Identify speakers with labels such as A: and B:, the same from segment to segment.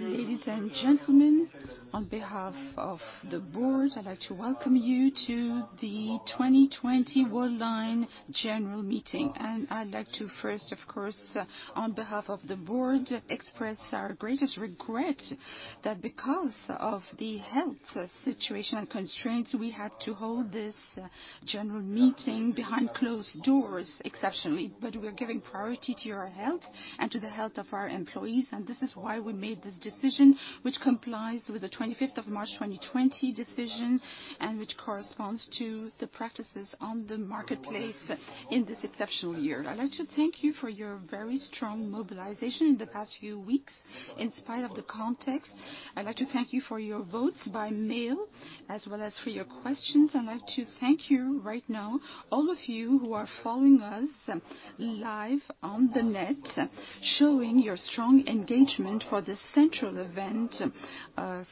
A: Ladies and gentlemen, on behalf of the board, I'd like to welcome you to the 2020 Worldline General Meeting. I'd like to first, of course, on behalf of the board, express our greatest regret that because of the health situation and constraints, we had to hold this general meeting behind closed doors, exceptionally. We are giving priority to your health and to the health of our employees, and this is why we made this decision, which complies with the 25th of March 2020 decision and which corresponds to the practices on the marketplace in this exceptional year. I'd like to thank you for your very strong mobilization in the past few weeks in spite of the context. I'd like to thank you for your votes by mail as well as for your questions. I'd like to thank you right now, all of you who are following us live on the net, showing your strong engagement for this central event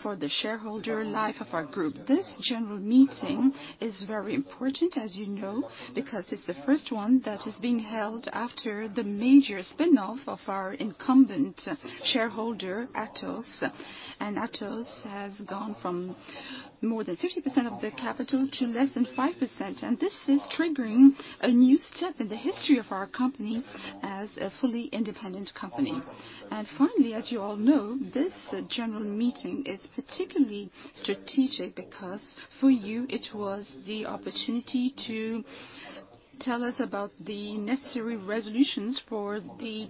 A: for the shareholder life of our group. This general meeting is very important, as you know, because it's the first one that is being held after the major spin-off of our incumbent shareholder, Atos. Atos has gone from more than 50% of the capital to less than 5%, and this is triggering a new step in the history of our company as a fully independent company. Finally, as you all know, this general meeting is particularly strategic because, for you, it was the opportunity to tell us about the necessary resolutions for the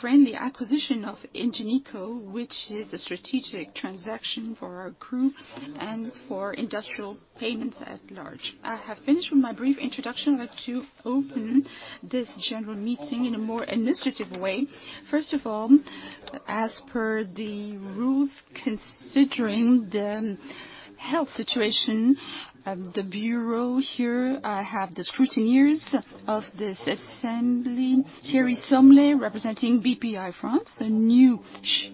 A: friendly acquisition of Ingenico, which is a strategic transaction for our group and for industrial payments at large. I have finished with my brief introduction. I'd like to open this general meeting in a more administrative way. First of all, as per the rules, considering the health situation of the bureau here, I have the scrutineers of this assembly, Thierry Sommelet, representing Bpifrance, a new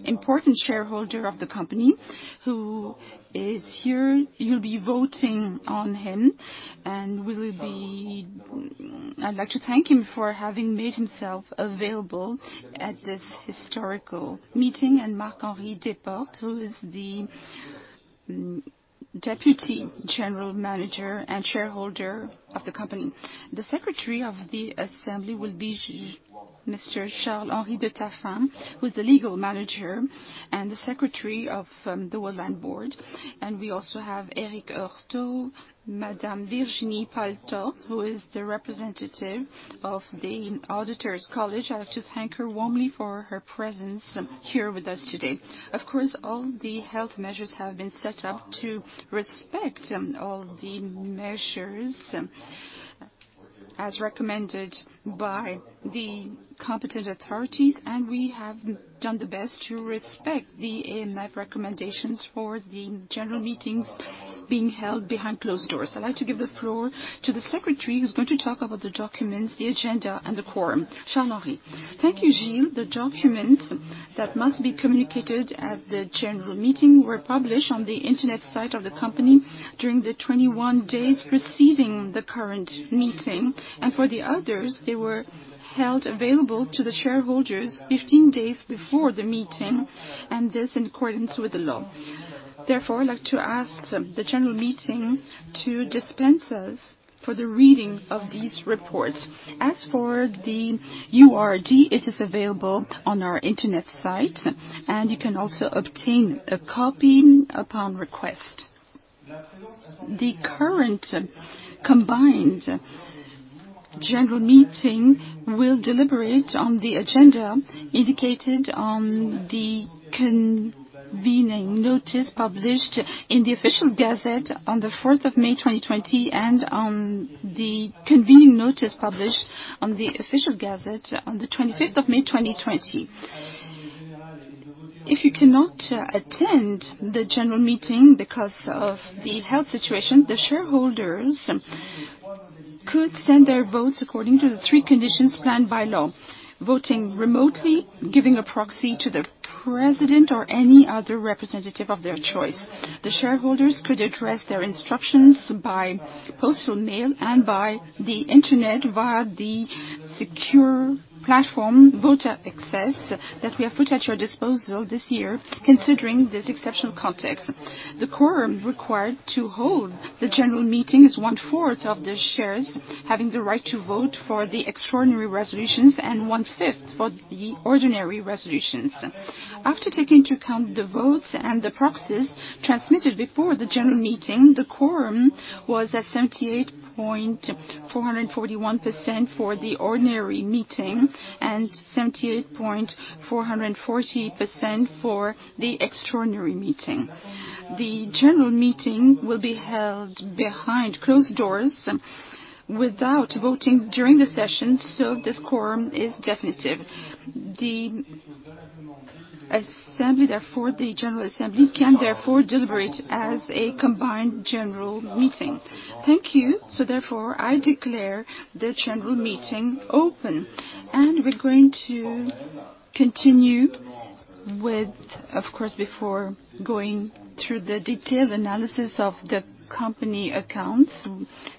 A: important shareholder of the company who is here. You'll be voting on him, and we will be I'd like to thank him for having made himself available at this historical meeting, and Marc-Henri Desportes, who is the Deputy General Manager and shareholder of the company. The secretary of the assembly will be Mr. Charles-Henri de Taffin, who is the Legal Manager and the Secretary of the Worldline board. We also have Eric Heurtaux, Madame Virginie Palethorpe, who is the representative of the auditors' college. I'd like to thank her warmly for her presence here with us today. Of course, all the health measures have been set up to respect all the measures as recommended by the competent authorities, and we have done the best to respect the AMF recommendations for the general meetings being held behind closed doors. I'd like to give the floor to the secretary who's going to talk about the documents, the agenda, and the quorum, Charles-Henri.
B: Thank you, Gilles. The documents that must be communicated at the general meeting were published on the internet site of the company during the 21 days preceding the current meeting, and for the others, they were held available to the shareholders 15 days before the meeting, and this in accordance with the law. Therefore, I'd like to ask the general meeting to dispense us for the reading of these reports. As for the URD, it is available on our internet site, and you can also obtain a copy upon request. The current combined general meeting will deliberate on the agenda indicated on the convening notice published in the official gazette on the 4th of May 2020 and on the convening notice published on the official gazette on the 25th of May 2020. If you cannot attend the general meeting because of the health situation, the shareholders could send their votes according to the three conditions planned by law: voting remotely, giving a proxy to the president, or any other representative of their choice. The shareholders could address their instructions by postal mail and by the internet via the secure platform Votaccess that we have put at your disposal this year, considering this exceptional context. The quorum required to hold the general meeting is one-fourth of the shares having the right to vote for the extraordinary resolutions and one-fifth for the ordinary resolutions. After taking into account the votes and the proxies transmitted before the general meeting, the quorum was at 78.441% for the ordinary meeting and 78.440% for the extraordinary meeting. The general meeting will be held behind closed doors without voting during the session, so this quorum is definitive. The assembly, therefore, the general assembly, can therefore deliberate as a combined general meeting. Thank you. So therefore, I declare the general meeting open, and we're going to continue with, of course, before going through the detailed analysis of the company accounts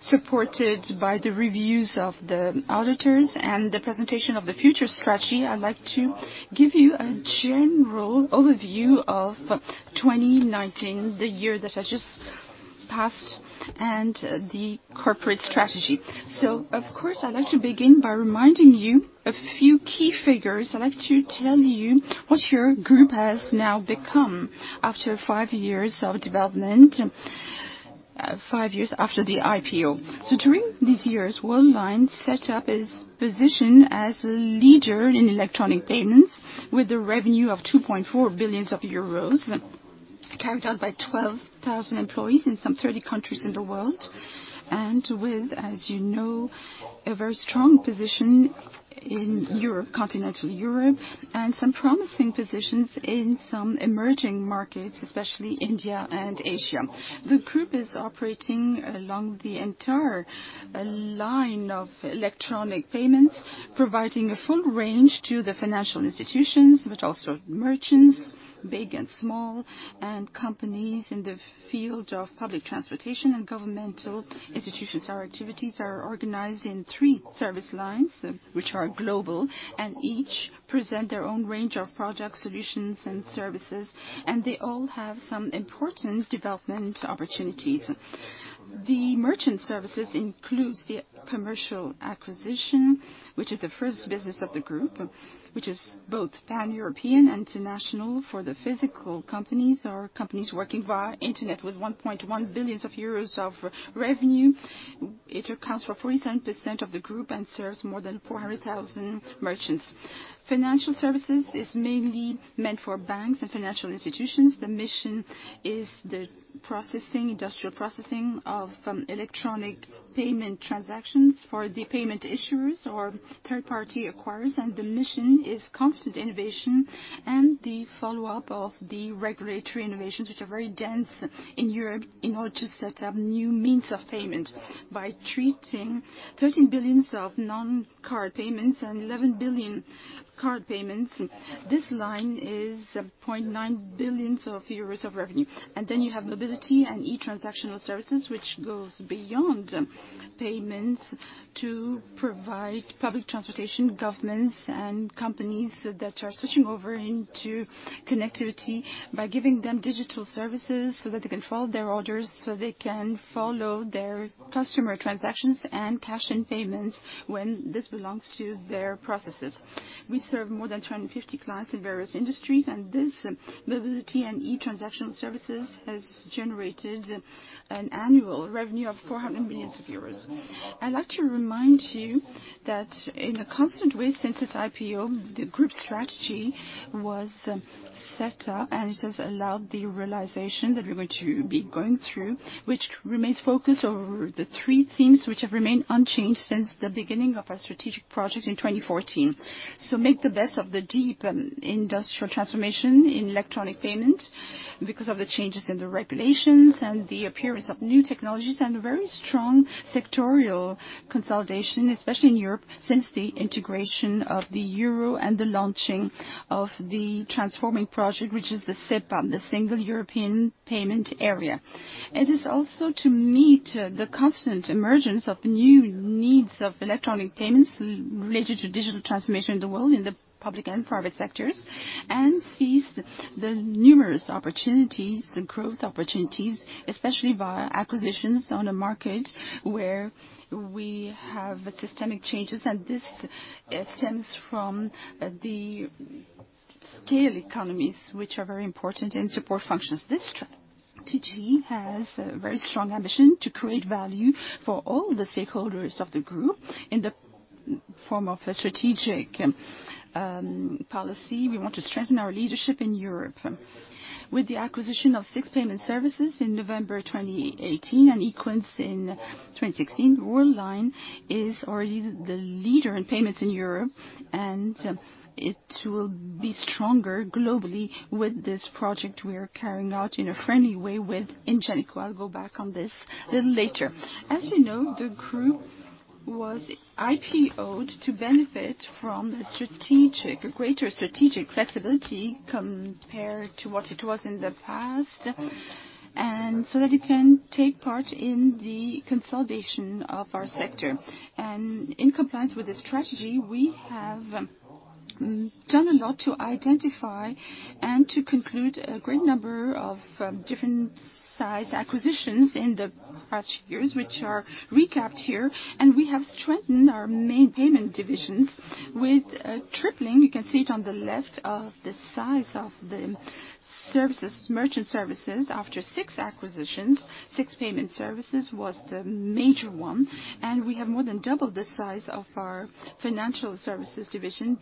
B: supported by the reviews of the auditors and the presentation of the future strategy, I'd like to give you a general overview of 2019, the year that has just passed, and the corporate strategy. So of course, I'd like to begin by reminding you of a few key figures. I'd like to tell you what your group has now become after five years of development, five years after the IPO. So during these years, Worldline's setup is positioned as a leader in electronic payments with a revenue of 2.4 billion euros carried out by 12,000 employees in some 30 countries in the world and with, as you know, a very strong position in Continental Europe and some promising positions in some emerging markets, especially India and Asia. The group is operating along the entire line of electronic payments, providing a full range to the financial institutions but also merchants, big and small, and companies in the field of public transportation and governmental institutions. Our activities are organized in three service lines, which are global, and each present their own range of products, solutions, and services, and they all have some important development opportunities. The merchant services include the commercial acquisition, which is the first business of the group, which is both pan-European and international for the physical companies or companies working via internet with 1.1 billion euros of revenue. It accounts for 47% of the group and serves more than 400,000 merchants. Financial services is mainly meant for banks and financial institutions. The mission is the industrial processing of electronic payment transactions for the payment issuers or third-party acquirers, and the mission is constant innovation and the follow-up of the regulatory innovations, which are very dense in Europe, in order to set up new means of payment by treating 13 billion of non-card payments and 11 billion card payments. This line is 0.9 billion euros of revenue. Then you have mobility and e-transactional services, which goes beyond payments to provide public transportation, governments, and companies that are switching over into connectivity by giving them digital services so that they can follow their orders, so they can follow their customer transactions and cash-in payments when this belongs to their processes. We serve more than 250 clients in various industries, and this mobility and e-transactional services has generated an annual revenue of 400 million euros. I'd like to remind you that in a constant way since its IPO, the group strategy was set up, and it has allowed the realization that we're going to be going through, which remains focused over the three themes, which have remained unchanged since the beginning of our strategic project in 2014. Make the best of the deep industrial transformation in electronic payments because of the changes in the regulations and the appearance of new technologies and very strong sectorial consolidation, especially in Europe, since the integration of the euro and the launching of the transforming project, which is the SEPA, the Single Euro Payments Area. It is also to meet the constant emergence of new needs of electronic payments related to digital transformation in the world in the public and private sectors and seize the numerous opportunities, the growth opportunities, especially via acquisitions on a market where we have systemic changes, and this stems from the scale economies, which are very important in support functions. This strategy has a very strong ambition to create value for all the stakeholders of the group in the form of a strategic policy. We want to strengthen our leadership in Europe. With the acquisition of SIX Payment Services in November 2018 and equensWorldline in 2016, Worldline is already the leader in payments in Europe, and it will be stronger globally with this project we are carrying out in a friendly way with Ingenico. I'll go back on this a little later. As you know, the group was IPOed to benefit from a greater strategic flexibility compared to what it was in the past and so that it can take part in the consolidation of our sector. And in compliance with this strategy, we have done a lot to identify and to conclude a great number of different-sized acquisitions in the past years, which are recapped here, and we have strengthened our main payment divisions with tripling - you can see it on the left - of the size of the merchant services after six acquisitions. SIX Payment Services was the major one, and we have more than doubled the size of our financial services division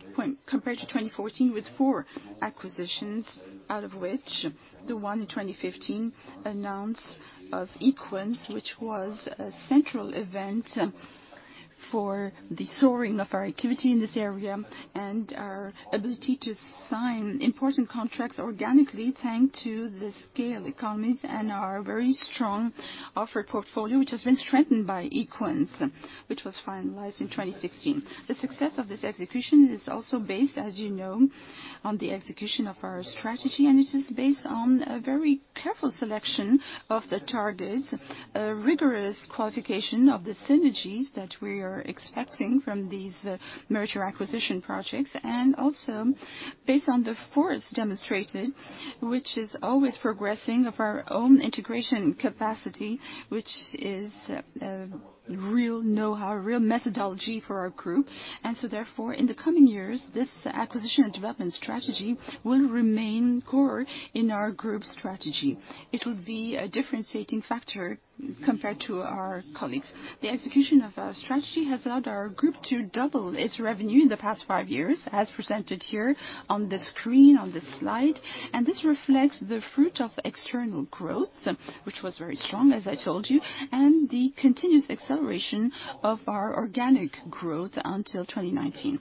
B: compared to 2014 with four acquisitions, out of which the one in 2015 announced of equensWorldline, which was a central event for the soaring of our activity in this area and our ability to sign important contracts organically thanks to the scale economies and our very strong offered portfolio, which has been strengthened by equensWorldline, which was finalized in 2016. The success of this execution is also based, as you know, on the execution of our strategy, and it is based on a very careful selection of the targets, a rigorous qualification of the synergies that we are expecting from these merger acquisition projects, and also based on the force demonstrated, which is always progressing, of our own integration capacity, which is real know-how, real methodology for our group. So therefore, in the coming years, this acquisition and development strategy will remain core in our group strategy. It will be a differentiating factor compared to our colleagues. The execution of our strategy has allowed our group to double its revenue in the past 5 years, as presented here on the screen, on this slide, and this reflects the fruit of external growth, which was very strong, as I told you, and the continuous acceleration of our organic growth until 2019.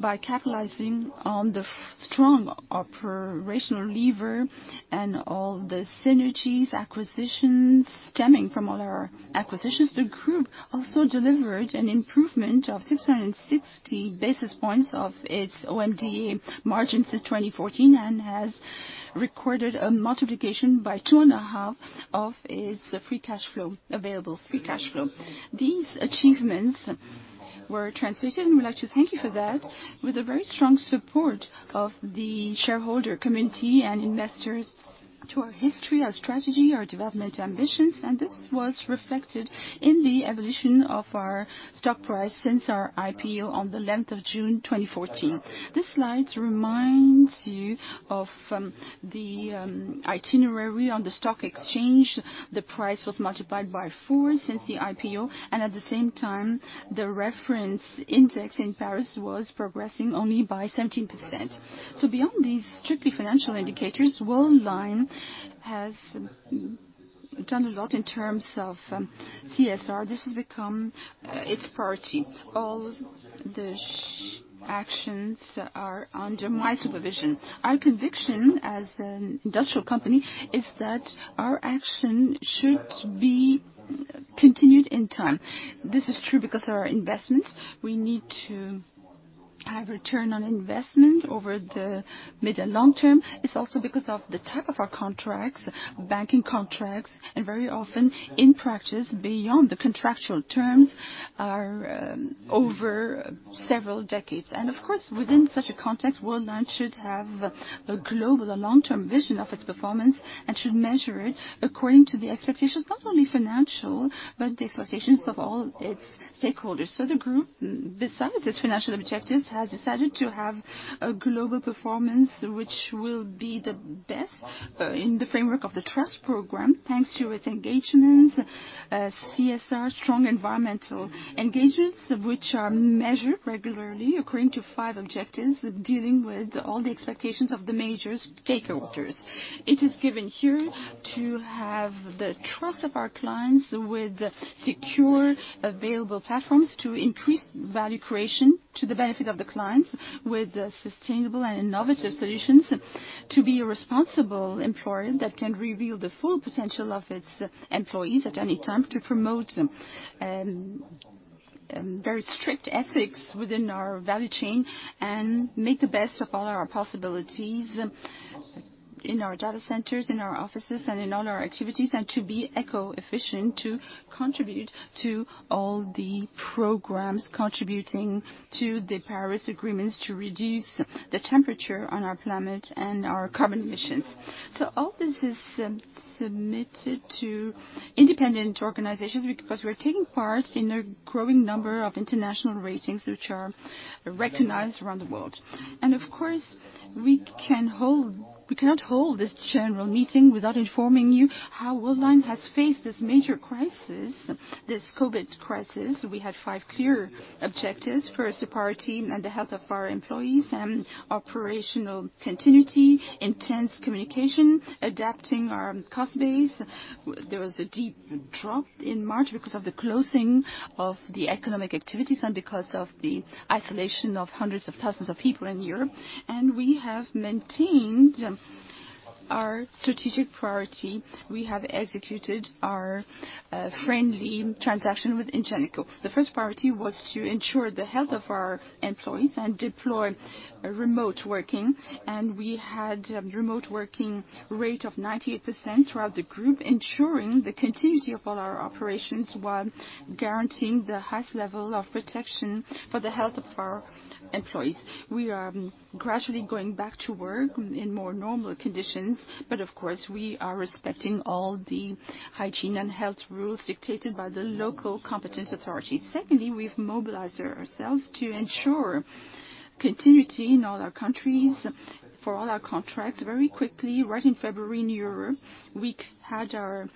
B: By capitalizing on the strong operational lever and all the synergies, acquisitions stemming from all our acquisitions, the group also delivered an improvement of 660 basis points of its OMDA margins since 2014 and has recorded a multiplication by 2.5 of its free cash flow, available free cash flow. These achievements were translated, and we'd like to thank you for that, with the very strong support of the shareholder community and investors to our history, our strategy, our development ambitions, and this was reflected in the evolution of our stock price since our IPO on the 11th of June, 2014. This slide reminds you of the itinerary on the stock exchange. The price was multiplied by four since the IPO, and at the same time, the reference index in Paris was progressing only by 17%. So beyond these strictly financial indicators, Worldline has done a lot in terms of CSR. This has become its priority. All the actions are under my supervision. Our conviction as an industrial company is that our action should be continued in time. This is true because there are investments. We need to have return on investment over the mid and long term. It's also because of the type of our contracts, banking contracts, and very often, in practice, beyond the contractual terms, are over several decades. Of course, within such a context, Worldline should have a global, a long-term vision of its performance and should measure it according to the expectations, not only financial but the expectations of all its stakeholders. The group, besides its financial objectives, has decided to have a global performance, which will be the best in the framework of the trust program thanks to its engagements, CSR, strong environmental engagements, which are measured regularly according to five objectives, dealing with all the expectations of the major stakeholders. It is given here to have the trust of our clients with secure, available platforms to increase value creation to the benefit of the clients with sustainable and innovative solutions, to be a responsible employer that can reveal the full potential of its employees at any time, to promote very strict ethics within our value chain, and make the best of all our possibilities in our data centers, in our offices, and in all our activities, and to be eco-efficient, to contribute to all the programs contributing to the Paris Agreements to reduce the temperature on our planet and our carbon emissions. So all this is submitted to independent organizations because we are taking part in a growing number of international ratings, which are recognized around the world. And of course, we cannot hold this general meeting without informing you how Worldline has faced this major crisis, this COVID crisis. We had five clear objectives. First, the priority and the health of our employees and operational continuity, intense communication, adapting our cost base. There was a deep drop in March because of the closing of the economic activities and because of the isolation of hundreds of thousands of people in Europe, and we have maintained our strategic priority. We have executed our friendly transaction with Ingenico. The first priority was to ensure the health of our employees and deploy remote working, and we had a remote working rate of 98% throughout the group, ensuring the continuity of all our operations while guaranteeing the highest level of protection for the health of our employees. We are gradually going back to work in more normal conditions, but of course, we are respecting all the hygiene and health rules dictated by the local competent authorities. Secondly, we've mobilized ourselves to ensure continuity in all our countries for all our contracts very quickly. Right in February in Europe, we had our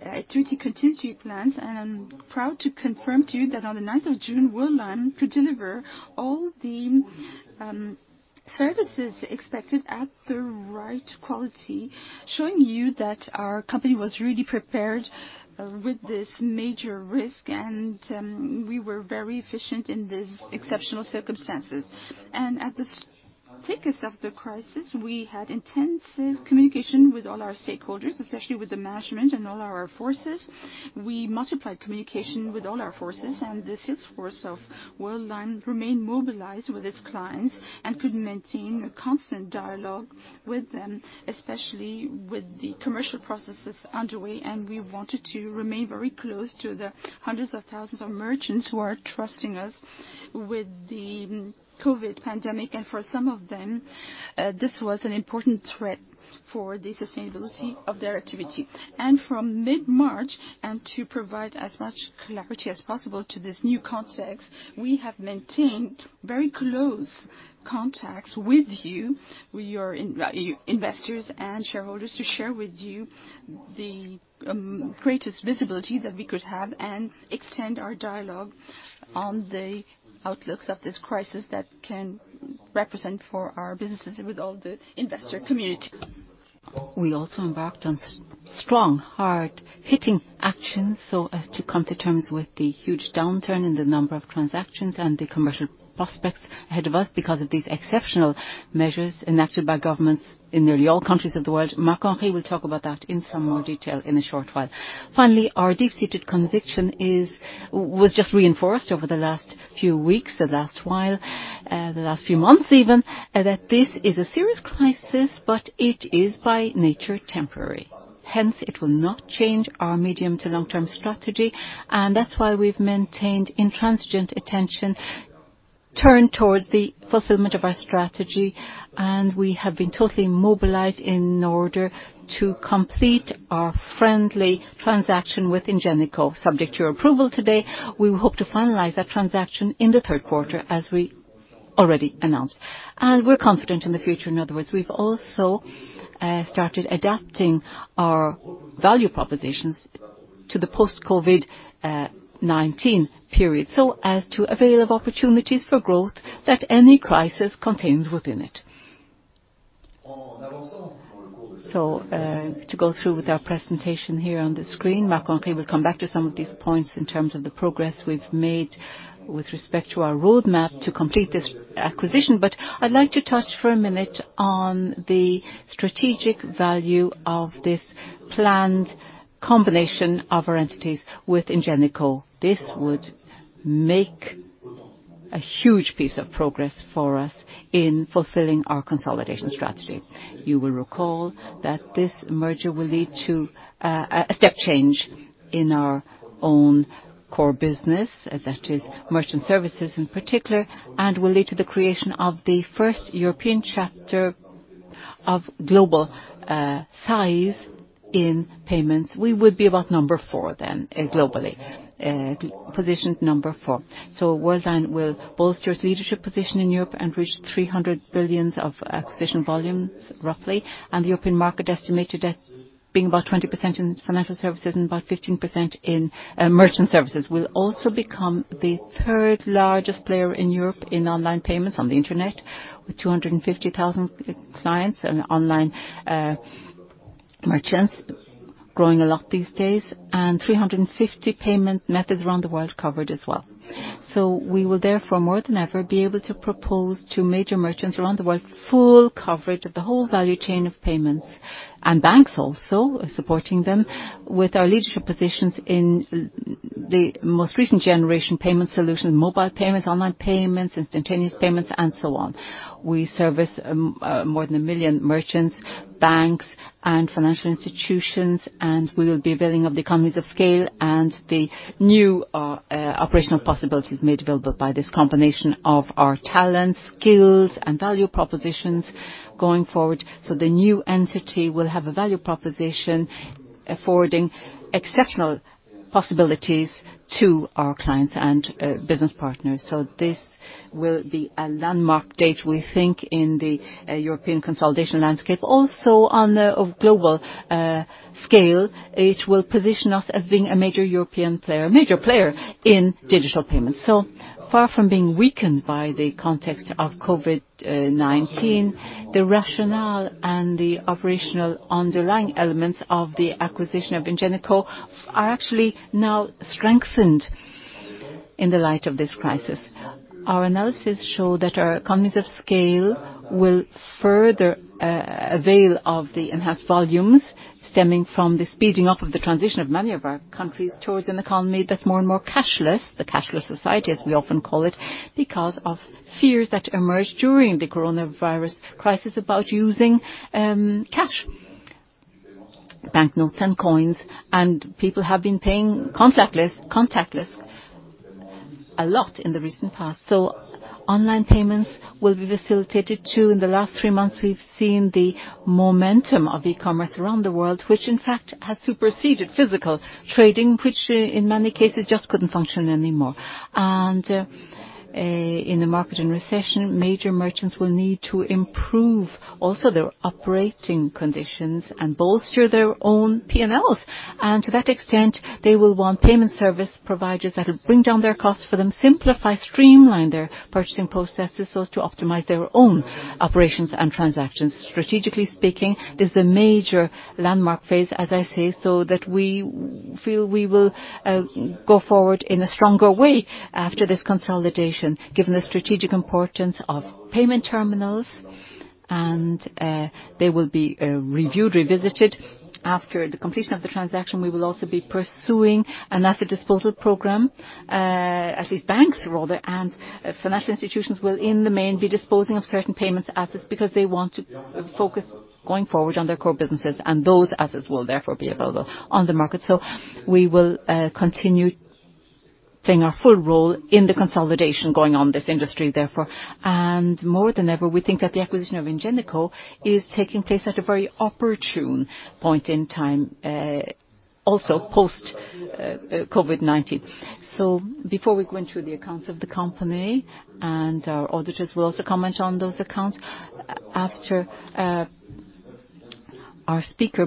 B: IT continuity plans, and I'm proud to confirm to you that on the 9th of June, Worldline could deliver all the services expected at the right quality, showing you that our company was really prepared with this major risk, and we were very efficient in these exceptional circumstances. And at the outset of the crisis, we had intensive communication with all our stakeholders, especially with the management and all our forces. We multiplied communication with all our forces, and the sales force of Worldline remained mobilized with its clients and could maintain a constant dialogue with them, especially with the commercial processes underway, and we wanted to remain very close to the hundreds of thousands of merchants who are trusting us with the COVID pandemic, and for some of them, this was an important threat for the sustainability of their activity. From mid-March, and to provide as much clarity as possible to this new context, we have maintained very close contacts with you, your investors and shareholders, to share with you the greatest visibility that we could have and extend our dialogue on the outlooks of this crisis that can represent for our businesses with all the investor community. We also embarked on strong, hard-hitting actions so as to come to terms with the huge downturn in the number of transactions and the commercial prospects ahead of us because of these exceptional measures enacted by governments in nearly all countries of the world. Marc-Henri will talk about that in some more detail in a short while. Finally, our deep-seated conviction was just reinforced over the last few weeks, the last while, the last few months even, that this is a serious crisis, but it is by nature temporary. Hence, it will not change our medium-to-long-term strategy, and that's why we've maintained intransigent attention turned towards the fulfillment of our strategy, and we have been totally mobilized in order to complete our friendly transaction with Ingenico, subject to your approval today. We hope to finalize that transaction in the third quarter, as we already announced. We're confident in the future. In other words, we've also started adapting our value propositions to the post-COVID-19 period, so as to avail of opportunities for growth that any crisis contains within it. So to go through with our presentation here on the screen, Marc-Henri will come back to some of these points in terms of the progress we've made with respect to our roadmap to complete this acquisition, but I'd like to touch for a minute on the strategic value of this planned combination of our entities with Ingenico. This would make a huge piece of progress for us in fulfilling our consolidation strategy. You will recall that this merger will lead to a step change in our own core business, that is, merchant services in particular, and will lead to the creation of the first European chapter of global size in payments. We would be about number 4 then globally, positioned number 4. So Worldline will bolster its leadership position in Europe and reach 300 billion of acquisition volumes, roughly, and the European market estimated at being about 20% in financial services and about 15% in merchant services. We'll also become the third-largest player in Europe in online payments on the internet with 250,000 clients and online merchants growing a lot these days and 350 payment methods around the world covered as well. So we will therefore, more than ever, be able to propose to major merchants around the world full coverage of the whole value chain of payments and banks also, supporting them with our leadership positions in the most recent generation payment solutions, mobile payments, online payments, instantaneous payments, and so on. We service more than 1 million merchants, banks, and financial institutions, and we will be availing of the economies of scale and the new operational possibilities made available by this combination of our talents, skills, and value propositions going forward. So the new entity will have a value proposition affording exceptional possibilities to our clients and business partners. So this will be a landmark date, we think, in the European consolidation landscape. Also on a global scale, it will position us as being a major European player, a major player in digital payments. So far from being weakened by the context of COVID-19, the rationale and the operational underlying elements of the acquisition of Ingenico are actually now strengthened in the light of this crisis. Our analysis showed that our economies of scale will further avail of the enhanced volumes stemming from the speeding up of the transition of many of our countries towards an economy that's more and more cashless, the cashless society, as we often call it, because of fears that emerged during the coronavirus crisis about using cash, banknotes, and coins, and people have been paying contactless a lot in the recent past. So online payments will be facilitated too. In the last three months, we've seen the momentum of e-commerce around the world, which in fact has superseded physical trading, which in many cases just couldn't function anymore. And in a market in recession, major merchants will need to improve also their operating conditions and bolster their own P&Ls. And to that extent, they will want payment service providers that will bring down their costs for them, simplify, streamline their purchasing processes so as to optimize their own operations and transactions. Strategically speaking, this is a major landmark phase, as I say, so that we feel we will go forward in a stronger way after this consolidation, given the strategic importance of payment terminals, and they will be reviewed, revisited. After the completion of the transaction, we will also be pursuing an asset disposal program, at least banks, rather, and financial institutions will, in the main, be disposing of certain payments assets because they want to focus going forward on their core businesses, and those assets will therefore be available on the market. So we will continue playing our full role in the consolidation going on in this industry, therefore. And more than ever, we think that the acquisition of Ingenico is taking place at a very opportune point in time, also post-COVID-19. So before we go into the accounts of the company and our auditors, we'll also comment on those accounts after our speaker,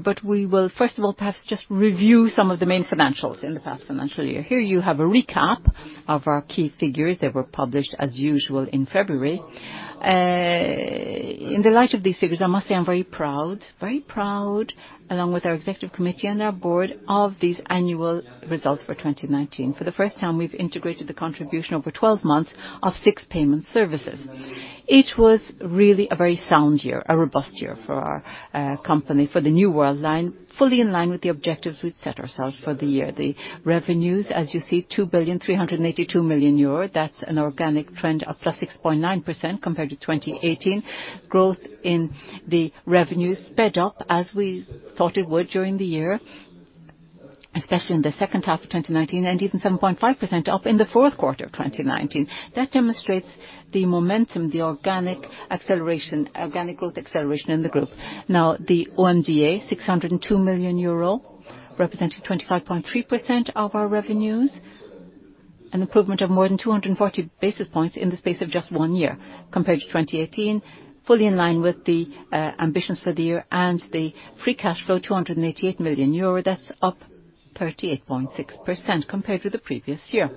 B: but we will, first of all, perhaps just review some of the main financials in the past financial year. Here you have a recap of our key figures. They were published, as usual, in February. In the light of these figures, I must say I'm very proud, very proud, along with our executive committee and our board, of these annual results for 2019. For the first time, we've integrated the contribution over 12 months of SIX Payment Services. It was really a very sound year, a robust year for our company, for the new Worldline, fully in line with the objectives we'd set ourselves for the year. The revenues, as you see, 2.382 billion euro. That's an organic trend of +6.9% compared to 2018. Growth in the revenues sped up as we thought it would during the year, especially in the second half of 2019, and even up 7.5% in the fourth quarter of 2019. That demonstrates the momentum, the organic growth acceleration in the group. Now, the OMDA, 602 million euro, representing 25.3% of our revenues, an improvement of more than 240 basis points in the space of just one year compared to 2018, fully in line with the ambitions for the year and the free cash flow, 288 million euro. That's up 38.6% compared with the previous year.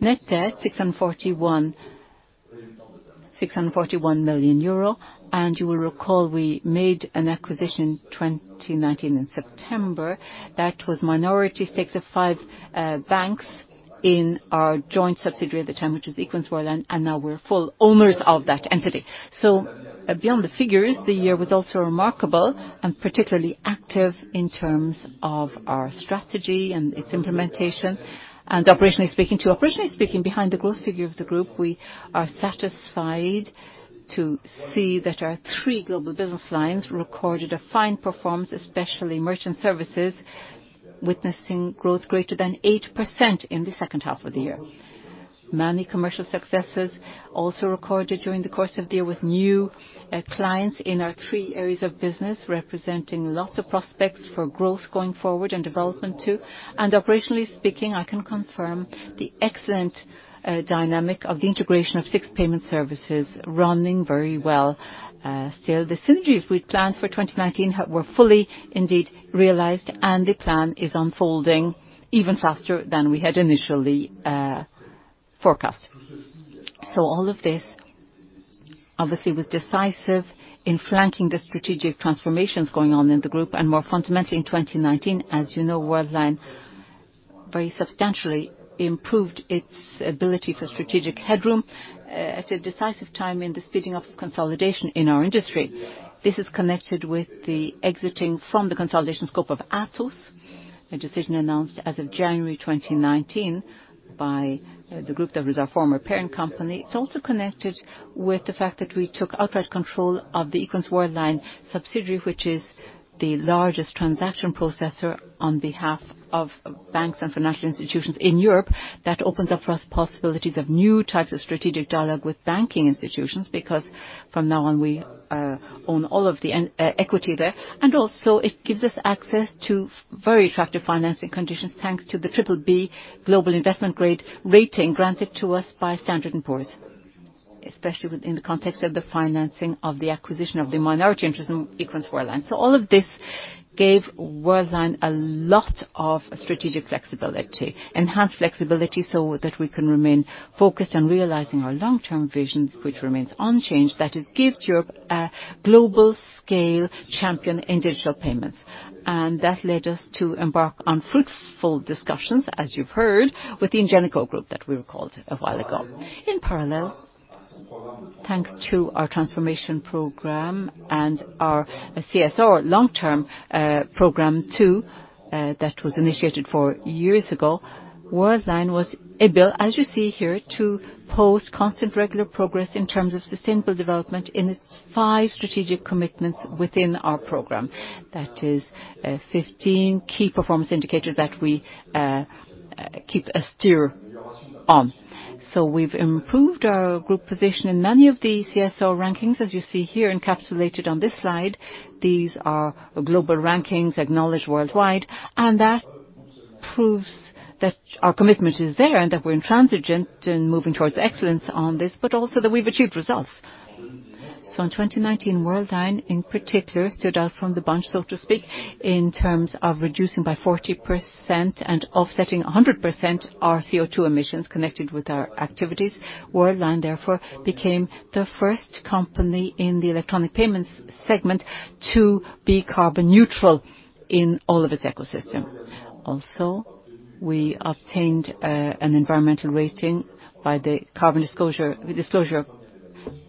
B: Net debt, 641 million euro. You will recall we made an acquisition in 2019 in September. That was minority stakes of 5 banks in our joint subsidiary at the time, which was equensWorldline, and now we're full owners of that entity. Beyond the figures, the year was also remarkable and particularly active in terms of our strategy and its implementation. Operationally speaking, too, operationally speaking, behind the growth figure of the group, we are satisfied to see that our three global business lines recorded a fine performance, especially merchant services, witnessing growth greater than 8% in the second half of the year. Many commercial successes also recorded during the course of the year with new clients in our three areas of business, representing lots of prospects for growth going forward and development too. Operationally speaking, I can confirm the excellent dynamic of the integration of SIX Payment Services running very well still. The synergies we'd planned for 2019 were fully, indeed, realized, and the plan is unfolding even faster than we had initially forecast. So all of this, obviously, was decisive in flanking the strategic transformations going on in the group, and more fundamentally, in 2019, as you know, Worldline very substantially improved its ability for strategic headroom at a decisive time in the speeding up of consolidation in our industry. This is connected with the exiting from the consolidation scope of Atos, a decision announced as of January 2019 by the group that was our former parent company. It's also connected with the fact that we took outright control of the equensWorldline subsidiary, which is the largest transaction processor on behalf of banks and financial institutions in Europe. That opens up for us possibilities of new types of strategic dialogue with banking institutions because from now on, we own all of the equity there. And also, it gives us access to very attractive financing conditions thanks to the BBB global investment grade rating granted to us by Standard & Poor's, especially within the context of the financing of the acquisition of the minority interest in equensWorldline. So all of this gave Worldline a lot of strategic flexibility, enhanced flexibility so that we can remain focused on realizing our long-term vision, which remains unchanged, that is, gives Europe a global-scale champion in digital payments. And that led us to embark on fruitful discussions, as you've heard, with the Ingenico Group that we recalled a while ago. In parallel, thanks to our transformation program and our CSR, long-term program too, that was initiated four years ago, Worldline was able, as you see here, to post constant, regular progress in terms of sustainable development in its five strategic commitments within our program, that is, 15 key performance indicators that we keep a steer on. So we've improved our group position in many of the CSR rankings, as you see here, encapsulated on this slide. These are global rankings acknowledged worldwide, and that proves that our commitment is there and that we're intransigent in moving towards excellence on this, but also that we've achieved results. So in 2019, Worldline, in particular, stood out from the bunch, so to speak, in terms of reducing by 40% and offsetting 100% our CO2 emissions connected with our activities. Worldline, therefore, became the first company in the electronic payments segment to be carbon neutral in all of its ecosystem. Also, we obtained an environmental rating by the Carbon Disclosure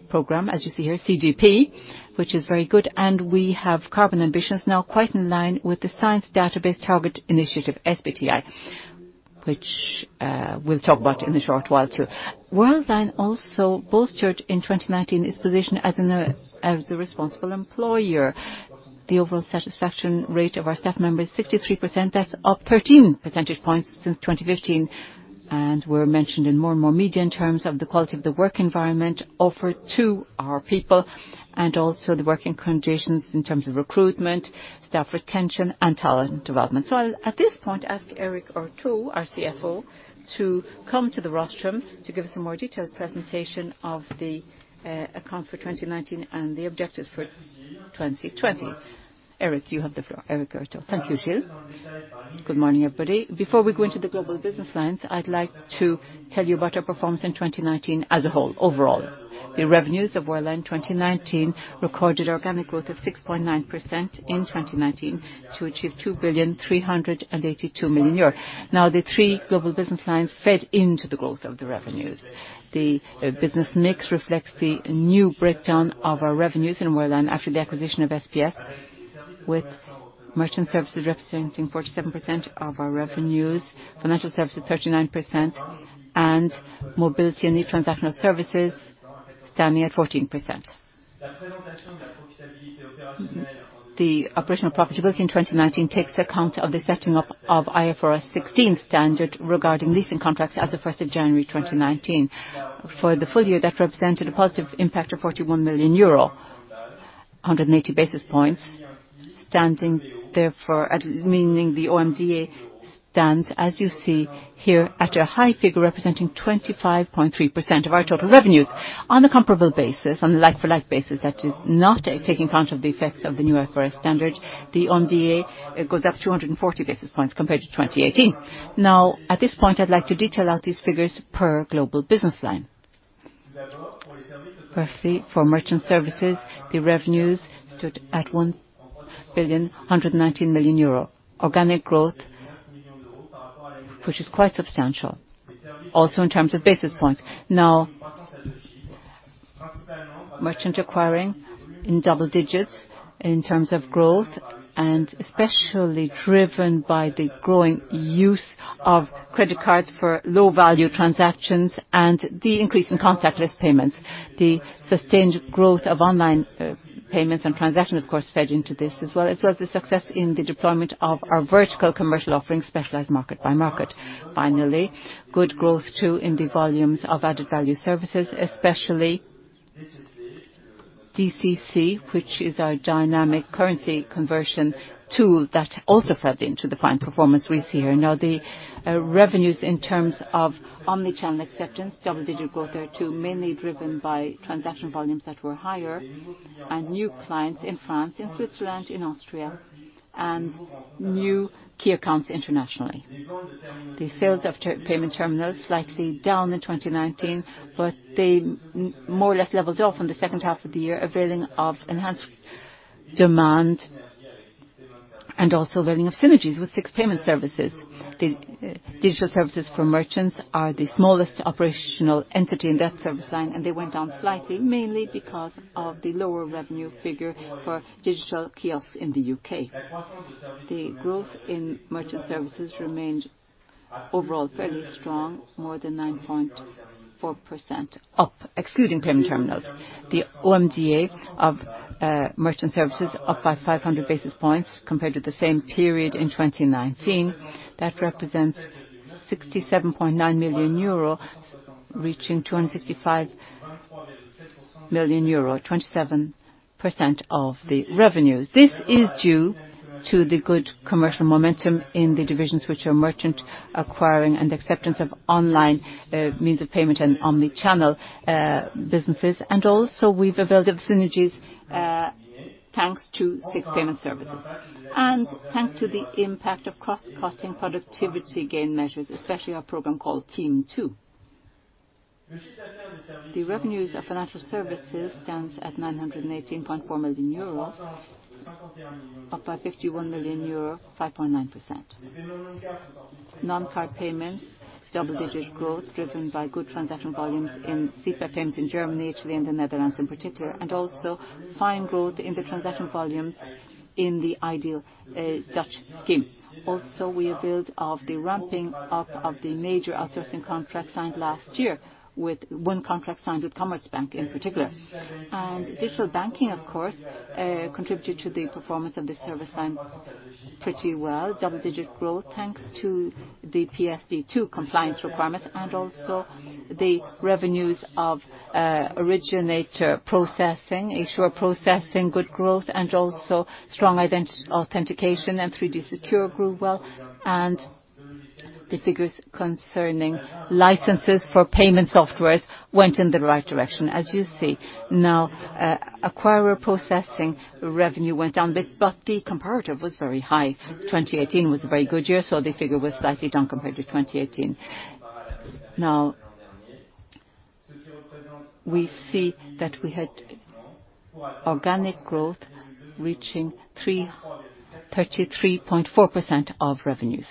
B: Project, as you see here, CDP, which is very good, and we have carbon ambitions now quite in line with the Science Based Targets initiative, SBTi, which we'll talk about in a short while too. Worldline also bolstered in 2019 its position as a responsible employer. The overall satisfaction rate of our staff members is 63%. That's up 13 percentage points since 2015, and were mentioned in more and more media in terms of the quality of the work environment offered to our people and also the working conditions in terms of recruitment, staff retention, and talent development.
A: So I'll, at this point, ask Eric Heurtaux, our CFO, to come to the rostrum to give us a more detailed presentation of the accounts for 2019 and the objectives for 2020. Eric, you have the floor.
C: Eric Heurtaux, thank you, Gilles. Good morning, everybody. Before we go into the global business lines, I'd like to tell you about our performance in 2019 as a whole, overall. The revenues of Worldline 2019 recorded organic growth of 6.9% in 2019 to achieve 2,382 million euros. Now, the three global business lines fed into the growth of the revenues. The business mix reflects the new breakdown of our revenues in Worldline after the acquisition of SPS, with merchant services representing 47% of our revenues, financial services 39%, and mobility and new transactional services standing at 14%. The operational profitability in 2019 takes account of the setting up of IFRS 16 standard regarding leasing contracts as of 1st of January 2019. For the full year, that represented a positive impact of 41 million euro, 180 basis points, meaning the OMDA stands, as you see here, at a high figure representing 25.3% of our total revenues. On the comparable basis, on the like-for-like basis, that is, not taking account of the effects of the new IFRS standard, the OMDA goes up 240 basis points compared to 2018. Now, at this point, I'd like to detail out these figures per global business line. Firstly, for merchant services, the revenues stood at 1,119 million euro, organic growth, which is quite substantial, also in terms of basis points. Now, merchant acquiring in double digits in terms of growth, and especially driven by the growing use of credit cards for low-value transactions and the increase in contactless payments. The sustained growth of online payments and transactions, of course, fed into this as well, as well as the success in the deployment of our vertical commercial offering, specialized market by market. Finally, good growth too in the volumes of added value services, especially DCC, which is our dynamic currency conversion tool that also fed into the fine performance we see here. Now, the revenues in terms of omnichannel acceptance, double-digit growth there too, mainly driven by transaction volumes that were higher and new clients in France, in Switzerland, in Austria, and new key accounts internationally. The sales of payment terminals slightly down in 2019, but they more or less leveled off in the second half of the year, availing of enhanced demand and also availing of synergies with SIX Payment Services. The digital services for merchants are the smallest operational entity in that service line, and they went down slightly, mainly because of the lower revenue figure for digital kiosks in the U.K. The growth in merchant services remained overall fairly strong, more than 9.4% up, excluding payment terminals. The OMDA of merchant services up by 500 basis points compared to the same period in 2019. That represents 67.9 million euro, reaching 265 million euro, 27% of the revenues. This is due to the good commercial momentum in the divisions, which are merchant acquiring and acceptance of online means of payment and omnichannel businesses. Also, we've availed of synergies thanks to SIX Payment Services and thanks to the impact of cross-cutting productivity gain measures, especially our program called Team². The revenues of financial services stands at 918.4 million euros, up by 51 million euros, 5.9%. Non-card payments, double-digit growth driven by good transaction volumes in payments in Germany, Italy, and the Netherlands in particular, and also fine growth in the transaction volumes in the iDEAL Dutch scheme. Also, we availed of the ramping up of the major outsourcing contract signed last year, one contract signed with Commerzbank in particular. Digital banking, of course, contributed to the performance of this service line pretty well, double-digit growth thanks to the PSD2 compliance requirements and also the revenues of originator processing, issuer processing, good growth, and also strong authentication and 3-D Secure grew well. The figures concerning licenses for payment softwares went in the right direction, as you see. Now, acquirer processing revenue went down, but the comparative was very high. 2018 was a very good year, so the figure was slightly down compared to 2018. Now, we see that we had organic growth reaching 33.4% of revenues.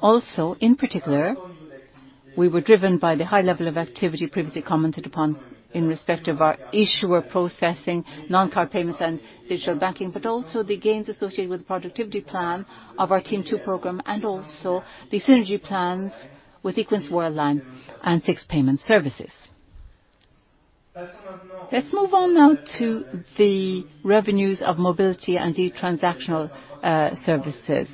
C: Also, in particular, we were driven by the high level of activity previously commented upon in respect of our issuer processing, non-card payments, and digital banking, but also the gains associated with the productivity plan of our Team² program and also the synergy plans with equensWorldline and SIX Payment Services. Let's move on now to the revenues of mobility and the transactional services.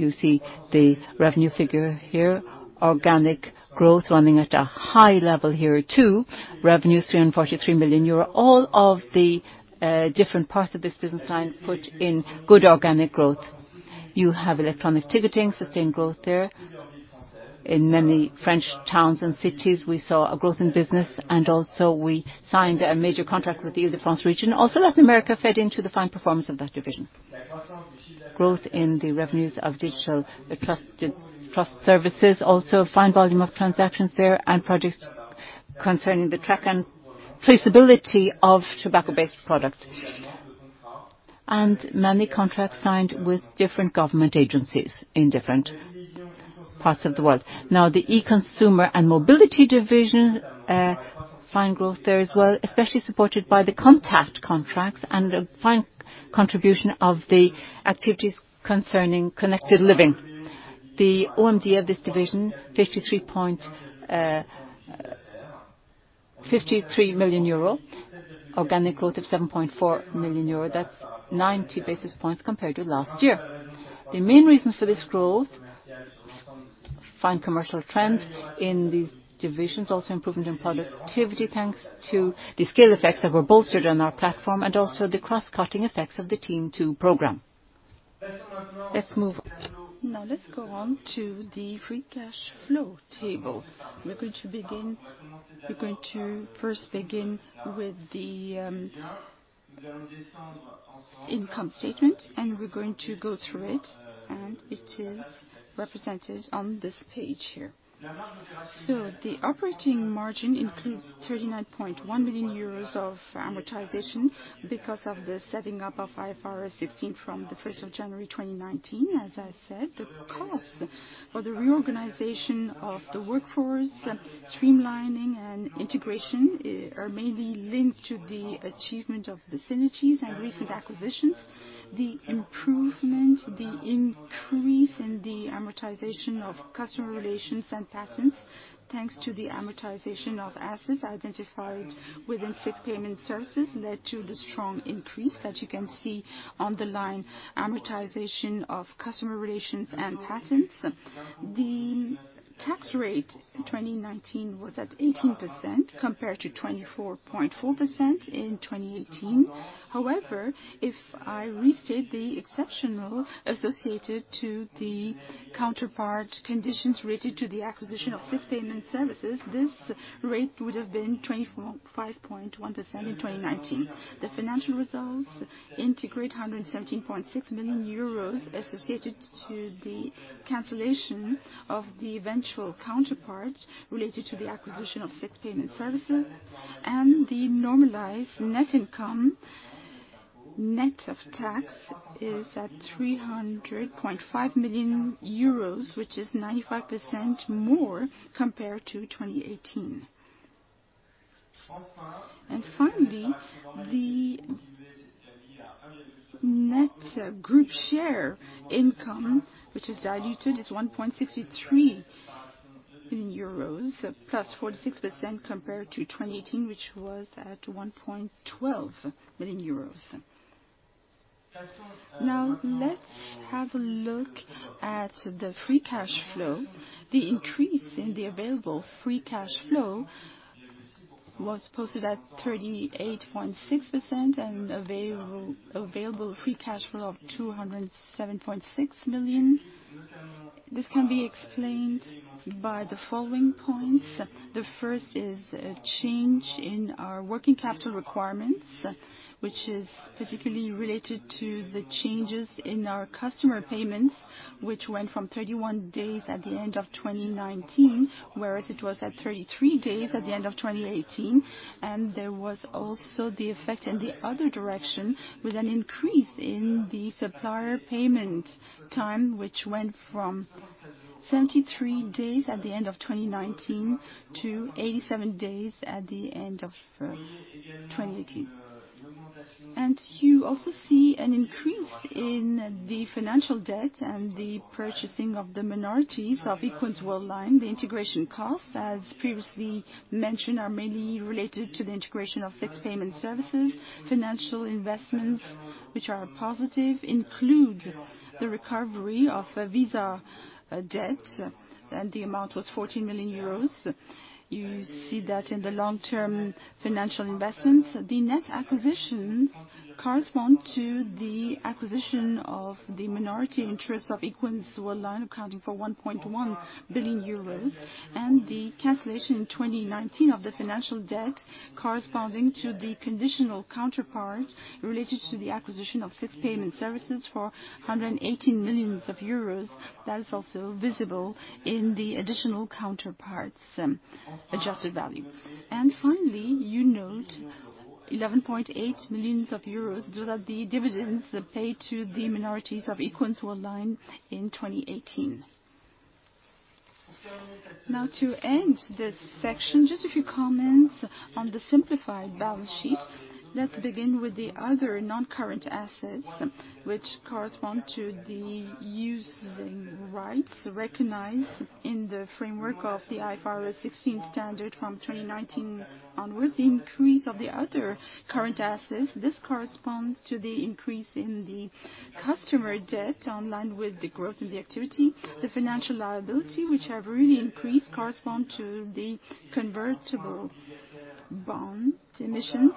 C: You see the revenue figure here, organic growth running at a high level here too, revenues 343 million euro, all of the different parts of this business line put in good organic growth. You have electronic ticketing, sustained growth there. In many French towns and cities, we saw a growth in business, and also we signed a major contract with the Île-de-France region. Also, Latin America fed into the fine performance of that division. Growth in the revenues of digital trust services, also fine volume of transactions there and projects concerning the track and traceability of tobacco-based products and many contracts signed with different government agencies in different parts of the world. Now, the e-consumer and mobility division, fine growth there as well, especially supported by the Contact contracts and fine contribution of the activities concerning Connected Living. The OMDA of this division, 53 million euro, organic growth of 7.4 million euro, that's 90 basis points compared to last year. The main reasons for this growth, fine commercial trends in these divisions, also improvement in productivity thanks to the scale effects that were bolstered on our platform and also the cross-cutting effects of the Team² program. Let's move on. Now, let's go on to the free cash flow table. We're going to first begin with the income statement, and we're going to go through it, and it is represented on this page here. So the operating margin includes 39.1 million euros of amortization because of the setting up of IFRS 16 from the 1st of January 2019, as I said. The costs for the reorganization of the workforce, streamlining, and integration are mainly linked to the achievement of the synergies and recent acquisitions. The improvement, the increase in the amortization of customer relations and patents thanks to the amortization of assets identified within SIX Payment Services led to the strong increase that you can see on the line, amortization of customer relations and patents. The tax rate 2019 was at 18% compared to 24.4% in 2018. However, if I restate the exceptional associated to the counterpart conditions related to the acquisition of SIX Payment Services, this rate would have been 25.1% in 2019. The financial results integrate 117.6 million euros associated to the cancellation of the eventual counterpart related to the acquisition of SIX Payment Services, and the normalized net income, net of tax, is at 300.5 million euros, which is 95% more compared to 2018. Finally, the net group share income, which is diluted, is 1.63 million euros, plus 46% compared to 2018, which was at 1.12 million euros. Now, let's have a look at the free cash flow. The increase in the available free cash flow was posted at 38.6% and available free cash flow of 207.6 million. This can be explained by the following points. The first is a change in our working capital requirements, which is particularly related to the changes in our customer payments, which went from 31 days at the end of 2019, whereas it was at 33 days at the end of 2018. There was also the effect in the other direction with an increase in the supplier payment time, which went from 73 days at the end of 2019 to 87 days at the end of 2018. You also see an increase in the financial debt and the purchasing of the minorities of equensWorldline. The integration costs, as previously mentioned, are mainly related to the integration of SIX Payment Services. Financial investments, which are positive, include the recovery of Visa debt, and the amount was 14 million euros. You see that in the long-term financial investments. The net acquisitions correspond to the acquisition of the minority interests of equensWorldline, accounting for 1.1 billion euros, and the cancellation in 2019 of the financial debt corresponding to the conditional counterpart related to the acquisition of SIX Payment Services for 118 million euros. That is also visible in the additional counterparts' adjusted value. And finally, you note 11.8 million euros due to the dividends paid to the minorities of equensWorldline in 2018. Now, to end this section, just a few comments on the simplified balance sheet. Let's begin with the other non-current assets, which correspond to the using rights recognized in the framework of the IFRS 16 standard from 2019 onwards. The increase of the other current assets. This corresponds to the increase in the customer debt online with the growth in the activity. The financial liability, which have really increased, corresponds to the convertible bond emissions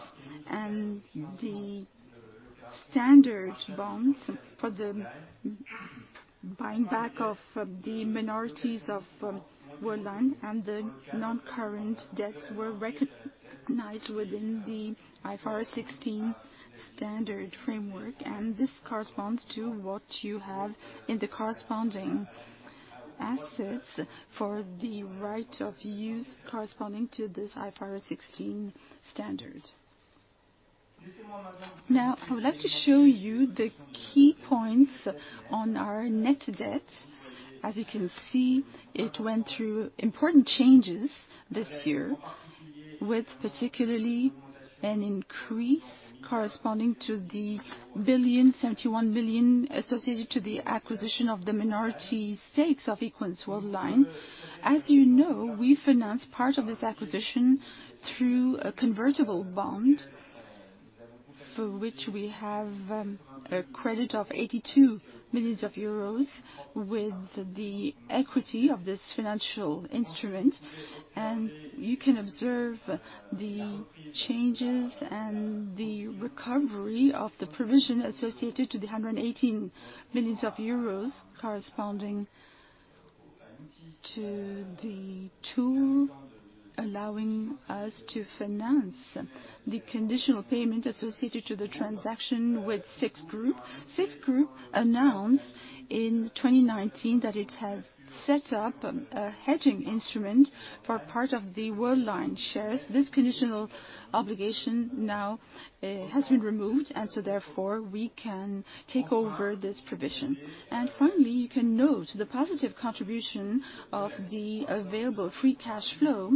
C: and the standard bonds for the buying back of the minorities of Worldline. The non-current debts were recognized within the IFRS 16 standard framework, and this corresponds to what you have in the corresponding assets for the right of use corresponding to this IFRS 16 standard. Now, I would like to show you the key points on our net debt. As you can see, it went through important changes this year, with particularly an increase corresponding to 1.071 billion associated to the acquisition of the minority stakes of equensWorldline. As you know, we financed part of this acquisition through a convertible bond for which we have a credit of 82 million euros with the equity of this financial instrument. And you can observe the changes and the recovery of the provision associated to the 118 million euros corresponding to the tool allowing us to finance the conditional payment associated to the transaction with SIX Group. SIX Group announced in 2019 that it had set up a hedging instrument for part of the Worldline shares. This conditional obligation now has been removed, and so therefore, we can take over this provision. Finally, you can note the positive contribution of the available free cash flow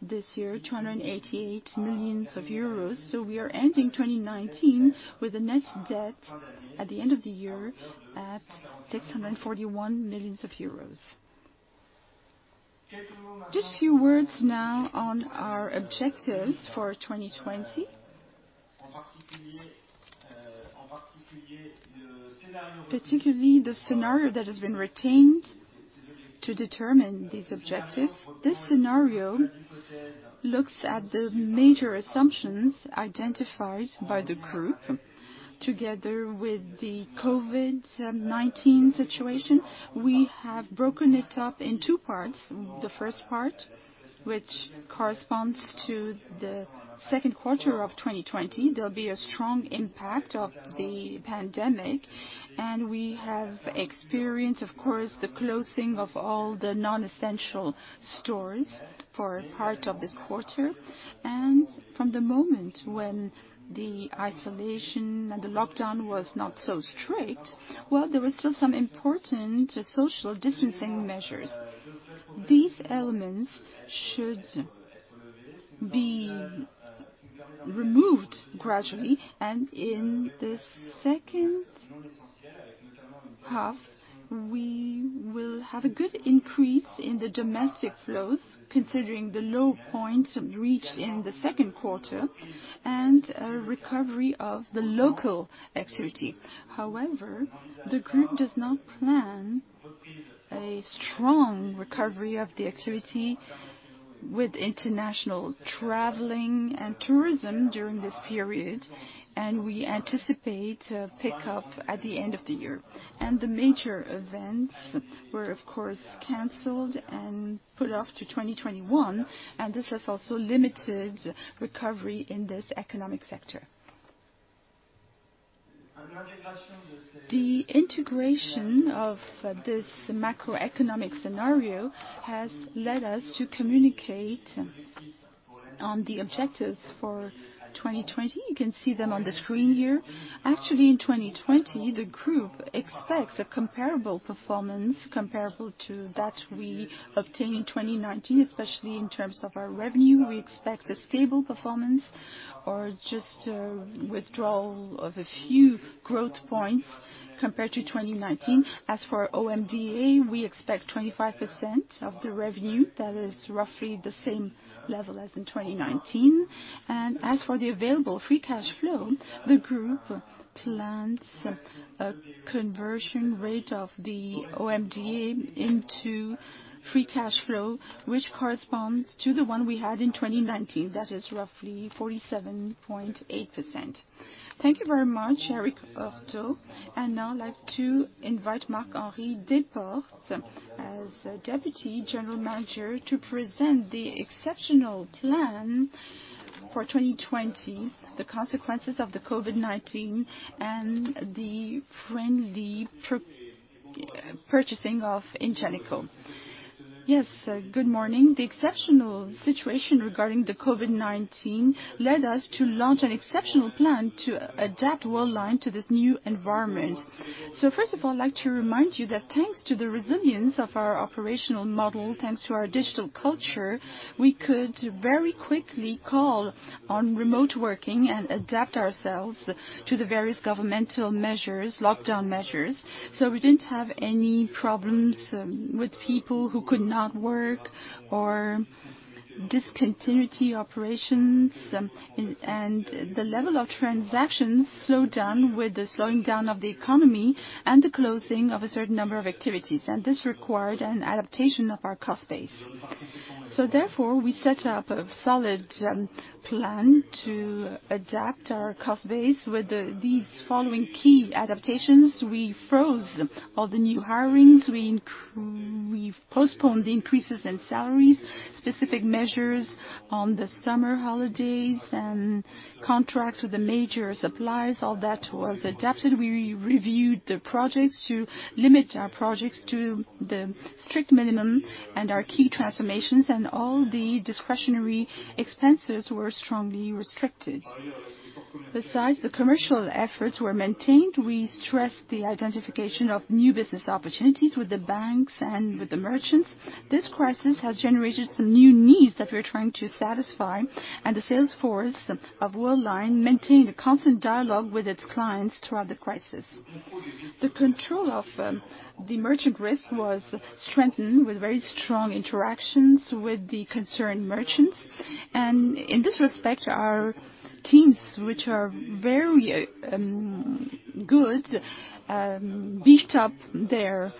C: this year, 288 million euros. We are ending 2019 with a net debt at the end of the year at 641 million euros. Just a few words now on our objectives for 2020. Particularly the scenario that has been retained to determine these objectives. This scenario looks at the major assumptions identified by the group together with the COVID-19 situation. We have broken it up in two parts. The first part, which corresponds to the second quarter of 2020, there'll be a strong impact of the pandemic, and we have experienced, of course, the closing of all the non-essential stores for part of this quarter. From the moment when the isolation and the lockdown was not so strict, well, there were still some important social distancing measures. These elements should be removed gradually. In the second half, we will have a good increase in the domestic flows considering the low point reached in the second quarter and recovery of the local activity. However, the group does not plan a strong recovery of the activity with international traveling and tourism during this period, and we anticipate a pickup at the end of the year. The major events were, of course, canceled and put off to 2021, and this has also limited recovery in this economic sector. The integration of this macroeconomic scenario has led us to communicate on the objectives for 2020. You can see them on the screen here. Actually, in 2020, the group expects a comparable performance comparable to that we obtained in 2019, especially in terms of our revenue. We expect a stable performance or just a withdrawal of a few growth points compared to 2019. As for OMDA, we expect 25% of the revenue. That is roughly the same level as in 2019. As for the available free cash flow, the group plans a conversion rate of the OMDA into free cash flow, which corresponds to the one we had in 2019. That is roughly 47.8%.
A: Thank you very much, Eric Heurtaux. Now, I'd like to invite Marc-Henri Desportes as Deputy General Manager to present the exceptional plan for 2020, the consequences of the COVID-19 and the friendly purchasing of Ingenico.
D: Yes, good morning. The exceptional situation regarding the COVID-19 led us to launch an exceptional plan to adapt Worldline to this new environment. So first of all, I'd like to remind you that thanks to the resilience of our operational model, thanks to our digital culture, we could very quickly call on remote working and adapt ourselves to the various governmental measures, lockdown measures. We didn't have any problems with people who could not work or discontinuity operations, and the level of transactions slowed down with the slowing down of the economy and the closing of a certain number of activities. This required an adaptation of our cost base. Therefore, we set up a solid plan to adapt our cost base with these following key adaptations. We froze all the new hirings. We postponed the increases in salaries, specific measures on the summer holidays, and contracts with the major suppliers. All that was adapted. We reviewed the projects to limit our projects to the strict minimum and our key transformations, and all the discretionary expenses were strongly restricted. Besides, the commercial efforts were maintained. We stressed the identification of new business opportunities with the banks and with the merchants. This crisis has generated some new needs that we are trying to satisfy, and the sales force of Worldline maintained a constant dialogue with its clients throughout the crisis. The control of the merchant risk was strengthened with very strong interactions with the concerned merchants. In this respect, our teams, which are very good, beefed up their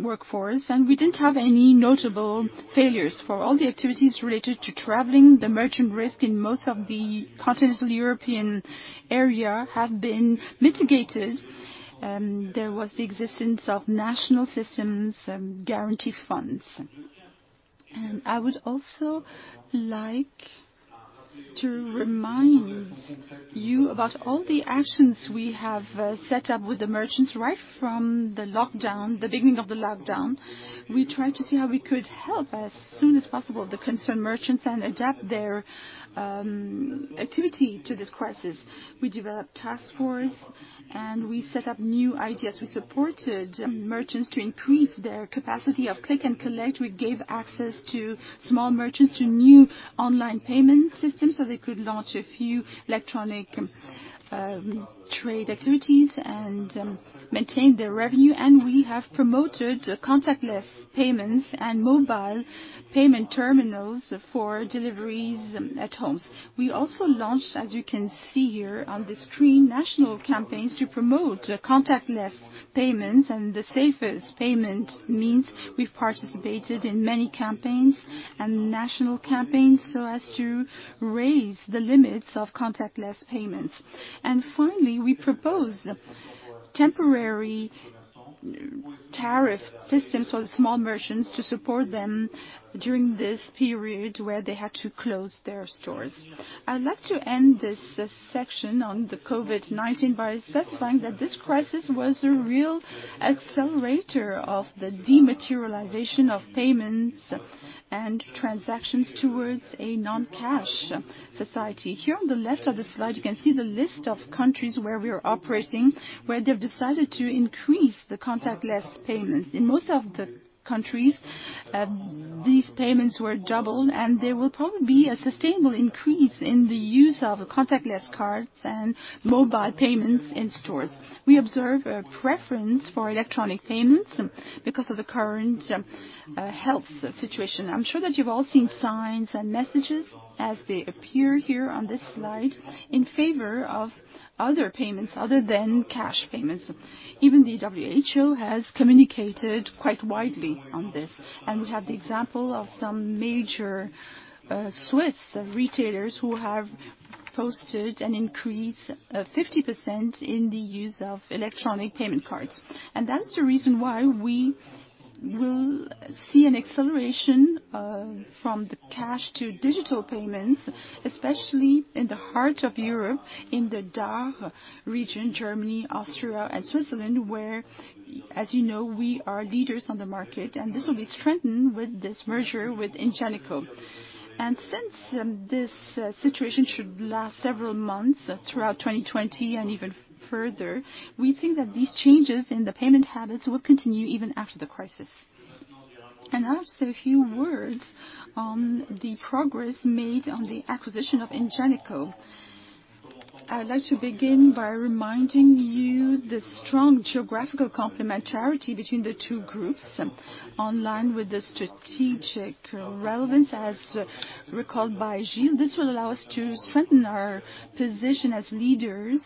D: workforce, and we didn't have any notable failures. For all the activities related to traveling, the merchant risk in most of the continental European area has been mitigated. There was the existence of national systems guarantee funds. I would also like to remind you about all the actions we have set up with the merchants right from the beginning of the lockdown. We tried to see how we could help as soon as possible the concerned merchants and adapt their activity to this crisis. We developed task forces, and we set up new ideas. We supported merchants to increase their capacity of click and collect. We gave access to small merchants to new online payment systems so they could launch a few electronic trade activities and maintain their revenue. We have promoted contactless payments and mobile payment terminals for deliveries at homes. We also launched, as you can see here on the screen, national campaigns to promote contactless payments, and the safest payment means. We've participated in many campaigns and national campaigns so as to raise the limits of contactless payments. And finally, we propose temporary tariff systems for the small merchants to support them during this period where they had to close their stores. I'd like to end this section on the COVID-19 by specifying that this crisis was a real accelerator of the dematerialization of payments and transactions towards a non-cash society. Here on the left of the slide, you can see the list of countries where we are operating where they've decided to increase the contactless payments. In most of the countries, these payments were doubled, and there will probably be a sustainable increase in the use of contactless cards and mobile payments in stores. We observe a preference for electronic payments because of the current health situation. I'm sure that you've all seen signs and messages, as they appear here on this slide, in favor of other payments other than cash payments. Even the WHO has communicated quite widely on this, and we have the example of some major Swiss retailers who have posted an increase of 50% in the use of electronic payment cards. That is the reason why we will see an acceleration from the cash to digital payments, especially in the heart of Europe, in the DACH region, Germany, Austria, and Switzerland, where, as you know, we are leaders on the market, and this will be strengthened with this merger with Ingenico. Since this situation should last several months throughout 2020 and even further, we think that these changes in the payment habits will continue even after the crisis. Now, just a few words on the progress made on the acquisition of Ingenico. I'd like to begin by reminding you the strong geographical complementarity between the two groups online with the strategic relevance as recalled by Gilles. This will allow us to strengthen our position as leaders,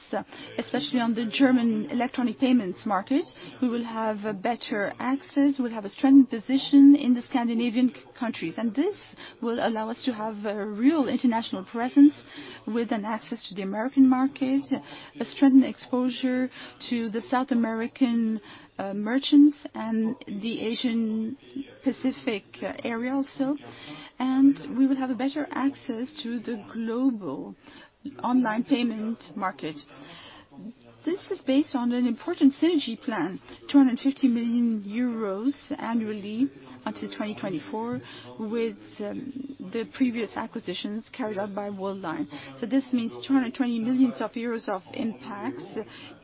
D: especially on the German electronic payments market. We will have better access. We'll have a strengthened position in the Scandinavian countries, and this will allow us to have a real international presence with access to the American market, a strengthened exposure to the South American merchants and the Asia-Pacific area also, and we will have a better access to the global online payment market. This is based on an important synergy plan, 250 million euros annually until 2024 with the previous acquisitions carried out by Worldline. So this means 220 million euros of impacts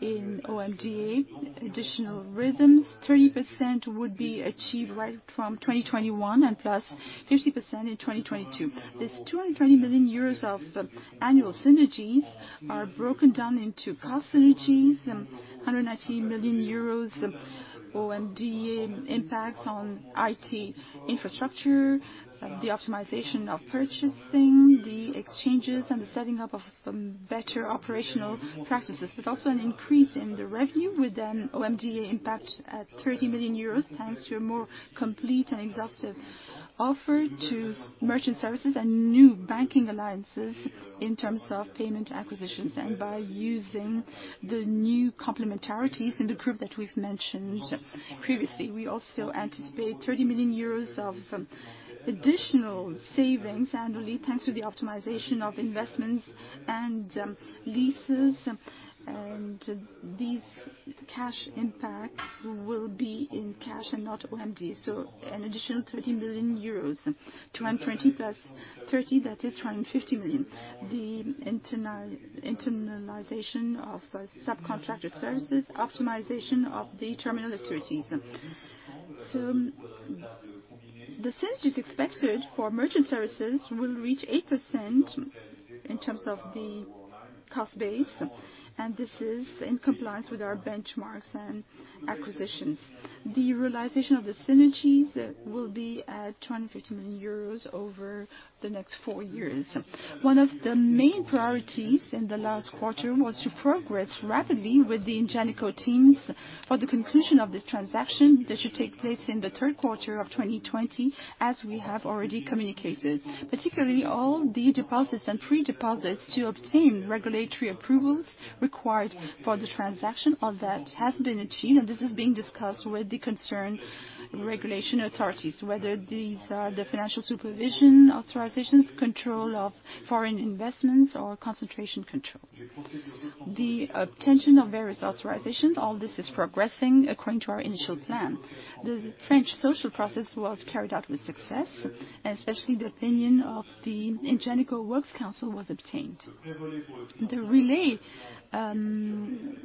D: in OMDA, additional rhythms. 30% would be achieved right from 2021 and plus 50% in 2022. These 220 million euros of annual synergies are broken down into cost synergies, 119 million euros OMDA impacts on IT infrastructure, the optimization of purchasing, the exchanges, and the setting up of better operational practices, but also an increase in the revenue with an OMDA impact at 30 million euros thanks to a more complete and exhaustive offer to merchant services and new banking alliances in terms of payment acquisitions. And by using the new complementarities in the group that we've mentioned previously, we also anticipate 30 million euros of additional savings annually thanks to the optimization of investments and leases. And these cash impacts will be in cash and not OMDA, so an additional 30 million euros, 220 plus 30, that is 250 million, the internalization of subcontracted services, optimization of the terminal activities. So the synergies expected for merchant services will reach 8% in terms of the cost base, and this is in compliance with our benchmarks and acquisitions. The realization of the synergies will be at 250 million euros over the next four years. One of the main priorities in the last quarter was to progress rapidly with the Ingenico teams for the conclusion of this transaction that should take place in the third quarter of 2020, as we have already communicated, particularly all the deposits and pre-deposits to obtain regulatory approvals required for the transaction. All that has been achieved, and this is being discussed with the concerned regulatory authorities, whether these are the financial supervision authorizations, control of foreign investments, or concentration control. The obtention of various authorizations, all this is progressing according to our initial plan. The French social process was carried out with success, and especially the opinion of the Ingenico Works Council was obtained. The relay loan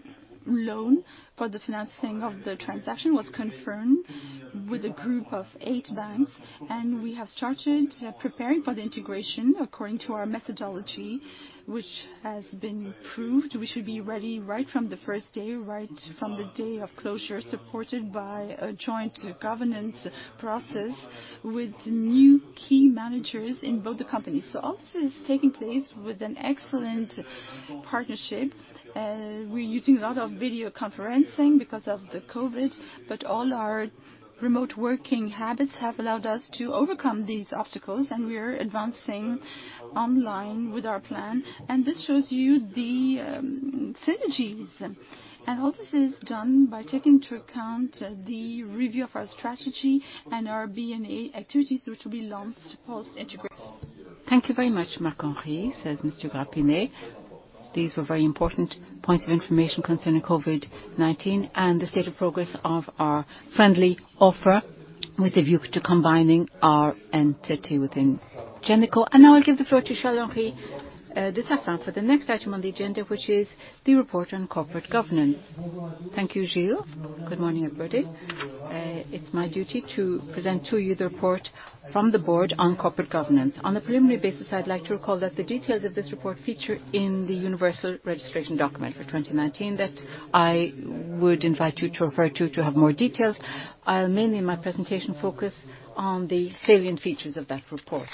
D: for the financing of the transaction was confirmed with a group of eight banks, and we have started preparing for the integration according to our methodology, which has been proved we should be ready right from the first day, right from the day of closure, supported by a joint governance process with new key managers in both the companies. So all this is taking place with an excellent partnership. We're using a lot of video conferencing because of the COVID-19, but all our remote working habits have allowed us to overcome these obstacles, and we are advancing online with our plan. And this shows you the synergies. All this is done by taking into account the review of our strategy and our B&A activities, which will be launched post-integration.
A: Thank you very much, Marc-Henri," says Mr. Grapinet. "These were very important points of information concerning COVID-19 and the state of progress of our friendly offer with a view to combining our entity with Ingenico." Now, I'll give the floor to Charles-Henri de Taffin for the next item on the agenda, which is the report on corporate governance.
B: Thank you, Gilles. Good morning, everybody. It's my duty to present to you the report from the board on corporate governance. On a preliminary basis, I'd like to recall that the details of this report feature in the Universal Registration Document for 2019 that I would invite you to refer to to have more details. I'll mainly in my presentation focus on the salient features of that report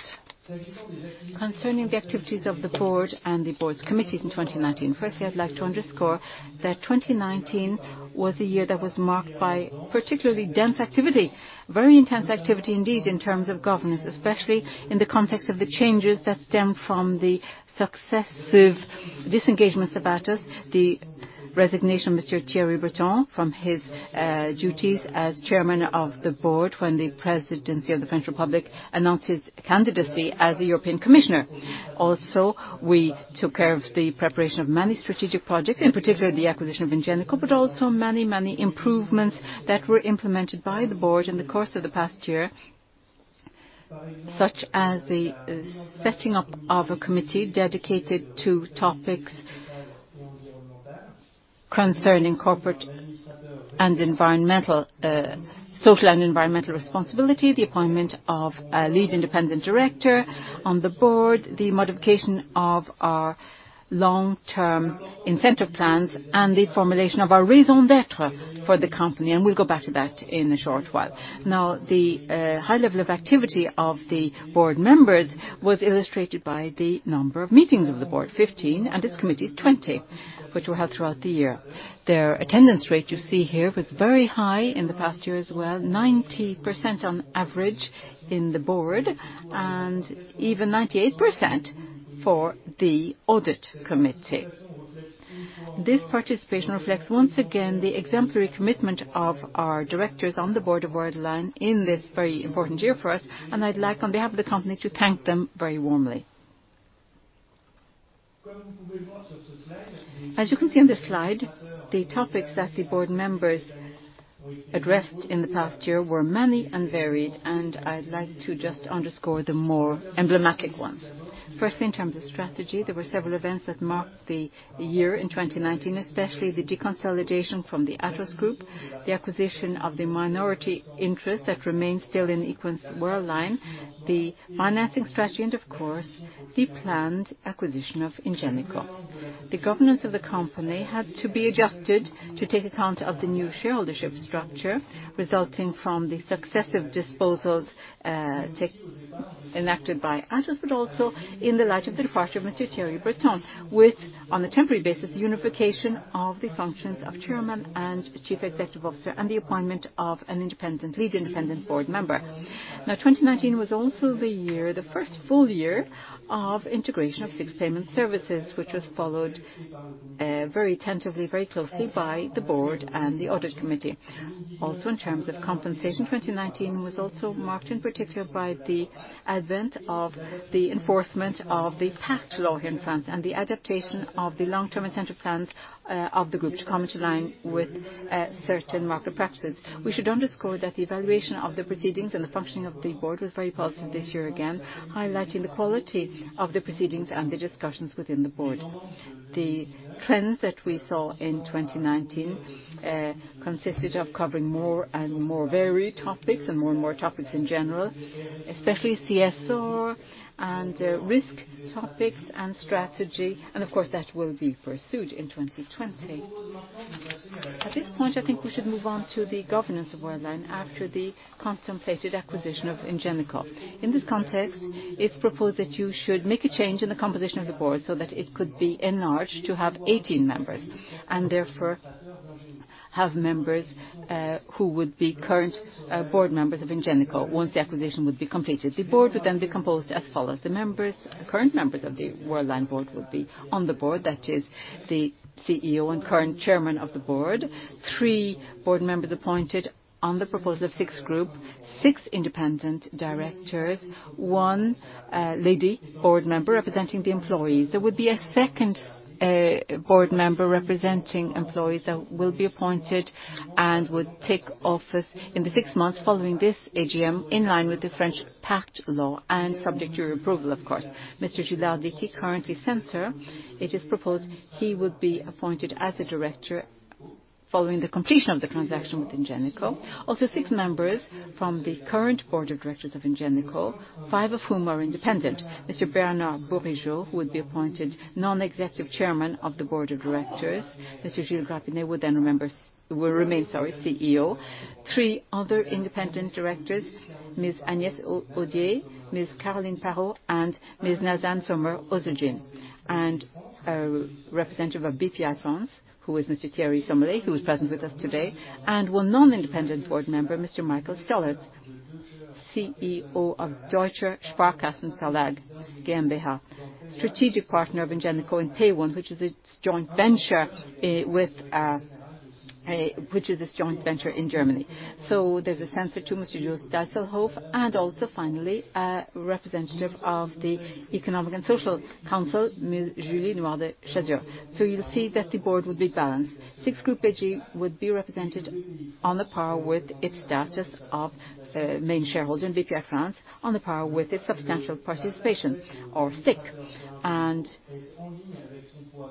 B: concerning the activities of the board and the board's committees in 2019. Firstly, I'd like to underscore that 2019 was a year that was marked by particularly dense activity, very intense activity indeed in terms of governance, especially in the context of the changes that stemmed from the successive disengagements about us, the resignation of Mr. Thierry Breton from his duties as chairman of the board when the presidency of the French Republic announced his candidacy as a European commissioner. Also, we took care of the preparation of many strategic projects, in particular the acquisition of Ingenico, but also many, many improvements that were implemented by the board in the course of the past year, such as the setting up of a committee dedicated to topics concerning social and environmental responsibility, the appointment of a lead independent director on the board, the modification of our long-term incentive plans, and the formulation of our raison d'être for the company. We'll go back to that in a short while. Now, the high level of activity of the board members was illustrated by the number of meetings of the board, 15, and its committees, 20, which were held throughout the year. Their attendance rate, you see here, was very high in the past year as well, 90% on average in the board and even 98% for the audit committee. This participation reflects once again the exemplary commitment of our directors on the board of Worldline in this very important year for us, and I'd like on behalf of the company to thank them very warmly. As you can see on this slide, the topics that the board members addressed in the past year were many and varied, and I'd like to just underscore the more emblematic ones. Firstly, in terms of strategy, there were several events that marked the year in 2019, especially the deconsolidation from the Atos Group, the acquisition of the minority interest that remains still in equensWorldline, the financing strategy, and of course, the planned acquisition of Ingenico. The governance of the company had to be adjusted to take account of the new shareholdership structure resulting from the successive disposals enacted by Atos, but also in the light of the departure of Mr. Thierry Breton with, on a temporary basis, the unification of the functions of chairman and chief executive officer and the appointment of an independent lead independent board member. Now, 2019 was also the first full year of integration of SIX Payment Services, which was followed very attentively, very closely by the board and the audit committee. Also, in terms of compensation, 2019 was also marked in particular by the advent of the enforcement of the Pacte law here in France and the adaptation of the long-term incentive plans of the group to come into line with certain market practices. We should underscore that the evaluation of the proceedings and the functioning of the board was very positive this year again, highlighting the quality of the proceedings and the discussions within the board. The trends that we saw in 2019 consisted of covering more and more varied topics and more and more topics in general, especially CSR and risk topics and strategy, and of course, that will be pursued in 2020. At this point, I think we should move on to the governance of Worldline after the contemplated acquisition of Ingenico. In this context, it's proposed that you should make a change in the composition of the board so that it could be enlarged to have 18 members and therefore have members who would be current board members of Ingenico once the acquisition would be completed. The board would then be composed as follows. The current members of the Worldline board would be on the board, that is, the CEO and current chairman of the board, three board members appointed on the proposal of SIX Group, six independent directors, one lady board member representing the employees. There would be a second board member representing employees that will be appointed and would take office in the six months following this AGM in line with the French PACTE law and subject to your approval, of course. Mr. Gilles Arditti, currently censor, it is proposed he would be appointed as a director following the completion of the transaction with Ingenico. Also, six members from the current board of directors of Ingenico, five of whom are independent, Mr. Bernard Bourigeaud would be appointed non-executive chairman of the board of directors. Mr. Gilles Grapinet would then remain CEO, three other independent directors, Ms. Agnès Audier, Ms. Caroline Parot, and Ms. Nazan Somer Özelgin, and representative of Bpifrance, who is Mr. Thierry Sommelet, who was present with us today, and one non-independent board member, Mr. Michael Stollarz, CEO of Deutscher Sparkassenverlag GmbH, strategic partner of Ingenico in PAYONE, which is its joint venture in Germany. So there's a censor too, Mr. Johannes Dietsch, and also finally a representative of the Economic and Social Council, Ms. Julie Noir de Chazournes. So you'll see that the board would be balanced. SIX Group AG would be represented on a par with its status of main shareholder in Bpifrance on a par with its substantial participation of SIX. And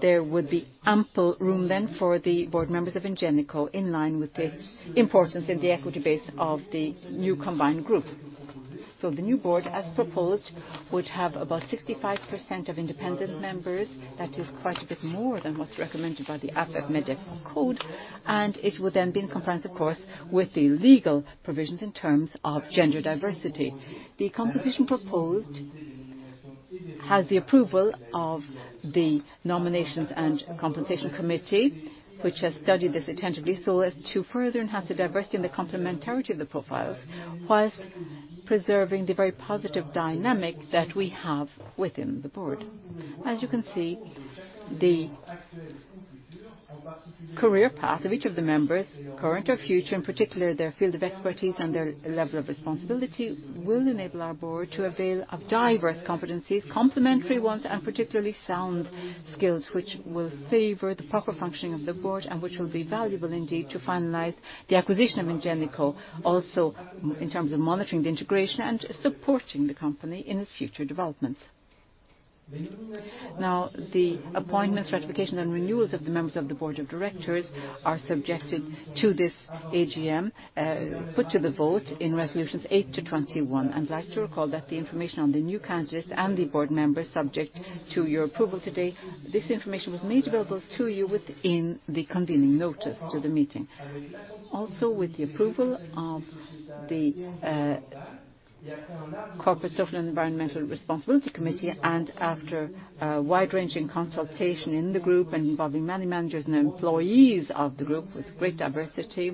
B: there would be ample room then for the board members of Ingenico in line with its importance in the equity base of the new combined group. So the new board, as proposed, would have about 65% of independent members. That is quite a bit more than what's recommended by the AFEP-MEDEF code, and it would then be in compliance, of course, with the legal provisions in terms of gender diversity. The composition proposed has the approval of the nominations and compensation committee, which has studied this attentively so as to further enhance the diversity and the complementarity of the profiles whilst preserving the very positive dynamic that we have within the board. As you can see, the career path of each of the members, current or future, in particular their field of expertise and their level of responsibility, will enable our board to avail of diverse competencies, complementary ones, and particularly sound skills, which will favor the proper functioning of the board and which will be valuable indeed to finalize the acquisition of Ingenico, also in terms of monitoring the integration and supporting the company in its future developments. Now, the appointments, ratifications, and renewals of the members of the board of directors are subjected to this AGM, put to the vote in resolutions 8-21. I'd like to recall that the information on the new candidates and the board members subject to your approval today. This information was made available to you within the convening notice to the meeting. Also, with the approval of the Corporate Social and Environmental Responsibility Committee and after wide-ranging consultation in the group and involving many managers and employees of the group with great diversity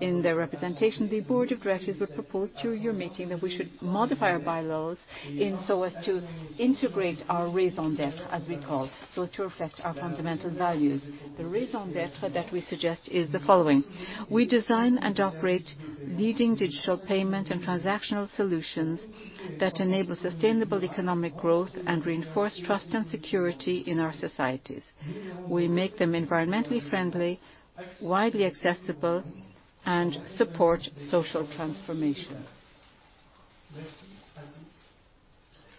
B: in their representation, the board of directors would propose to your meeting that we should modify our bylaws in so as to integrate our raison d'être, as we call it, so as to reflect our fundamental values. The raison d'être that we suggest is the following: we design and operate leading digital payment and transactional solutions that enable sustainable economic growth and reinforce trust and security in our societies. We make them environmentally friendly, widely accessible, and support social transformation.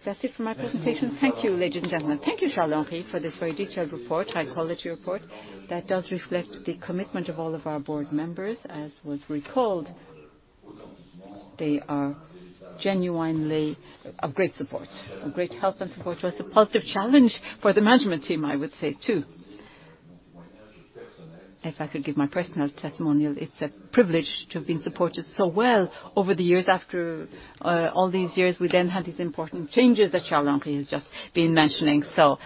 B: That's it for my presentation. Thank you, ladies and gentlemen. Thank you, Charles-Henri, for this very detailed report, high-quality report that does reflect the commitment of all of our board members.
A: As was recalled, they are genuinely of great support, of great help and support. It was a positive challenge for the management team, I would say too. If I could give my personal testimonial, it's a privilege to have been supported so well over the years after all these years. We then had these important changes that Charles-Henri has just been mentioning. So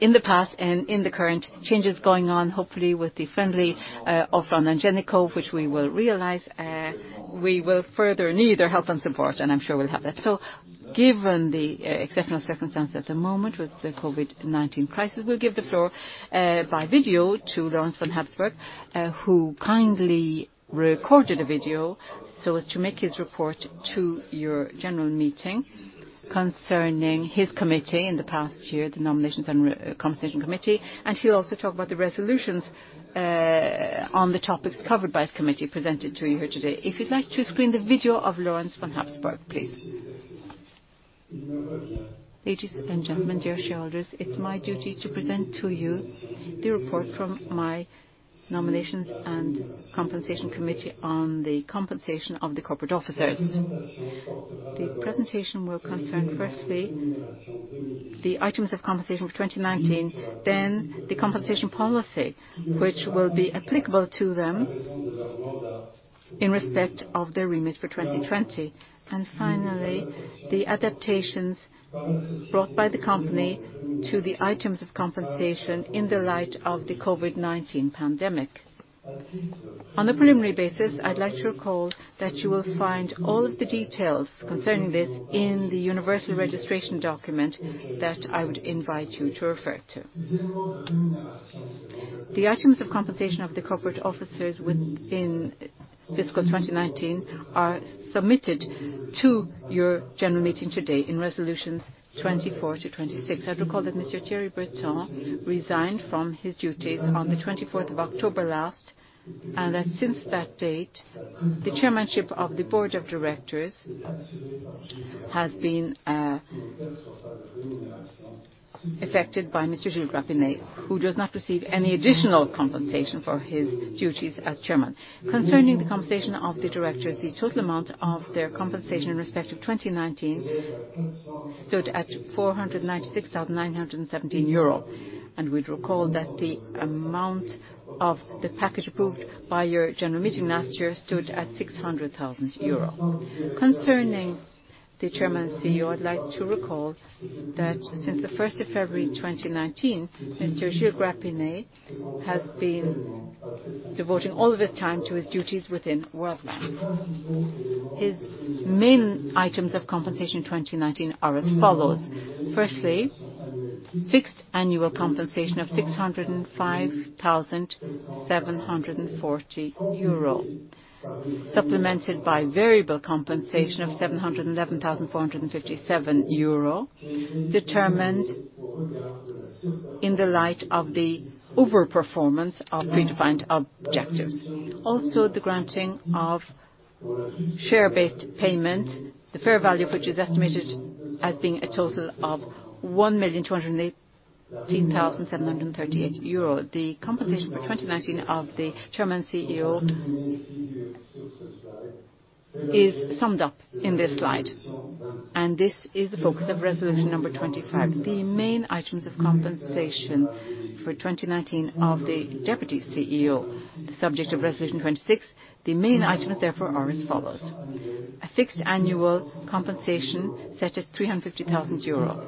A: in the past and in the current, changes going on, hopefully with the friendly offer on Ingenico, which we will realize, we will further need their help and support, and I'm sure we'll have that. So given the exceptional circumstances at the moment with the COVID-19 crisis, we'll give the floor by video to Lorenz von Habsburg, who kindly recorded a video so as to make his report to your general meeting concerning his committee in the past year, the nominations and compensation committee, and he'll also talk about the resolutions on the topics covered by his committee presented to you here today. If you'd like to screen the video of Lorenz von Habsburg, please. Ladies and gentlemen, dear shareholders, it's my duty to present to you the report from my nominations and compensation committee on the compensation of the corporate officers. The presentation will concern, firstly, the items of compensation for 2019, then the compensation policy, which will be applicable to them in respect of their remit for 2020, and finally, the adaptations brought by the company to the items of compensation in the light of the COVID-19 pandemic. On a preliminary basis, I'd like to recall that you will find all of the details concerning this in the universal registration document that I would invite you to refer to. The items of compensation of the corporate officers within fiscal 2019 are submitted to your general meeting today in resolutions 24 to 26. I'd recall that Mr. Thierry Breton resigned from his duties on the 24th of October last and that since that date, the chairmanship of the board of directors has been affected by Mr. Gilles Grapinet, who does not receive any additional compensation for his duties as chairman. Concerning the compensation of the directors, the total amount of their compensation in respect of 2019 stood at 496,917 euro, and we'd recall that the amount of the package approved by your general meeting last year stood at 600,000 euros. Concerning the Chairman and CEO, I'd like to recall that since the 1st of February 2019, Mr. Gilles Grapinet has been devoting all of his time to his duties within Worldline. His main items of compensation in 2019 are as follows. Firstly, fixed annual compensation of 605,740 euro, supplemented by variable compensation of 711,457 euro determined in the light of the overperformance of predefined objectives. Also, the granting of share-based payment, the fair value of which is estimated as being a total of 1,218,738 euro. The compensation for 2019 of the chairman and CEO is summed up in this slide, and this is the focus of resolution number 25, the main items of compensation for 2019 of the deputy CEO, the subject of resolution 26. The main items, therefore, are as follows. A fixed annual compensation set at 350,000 euro,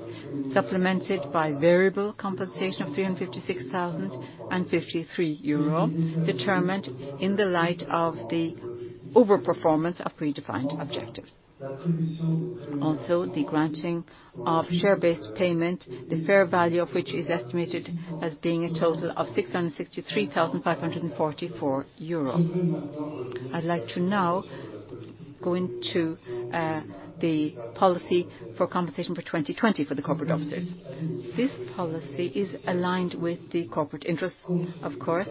A: supplemented by variable compensation of 356,053 euro determined in the light of the overperformance of predefined objectives. Also, the granting of share-based payment, the fair value of which is estimated as being a total of 663,544 euro. I'd like to now go into the policy for compensation for 2020 for the corporate officers. This policy is aligned with the corporate interests, of course,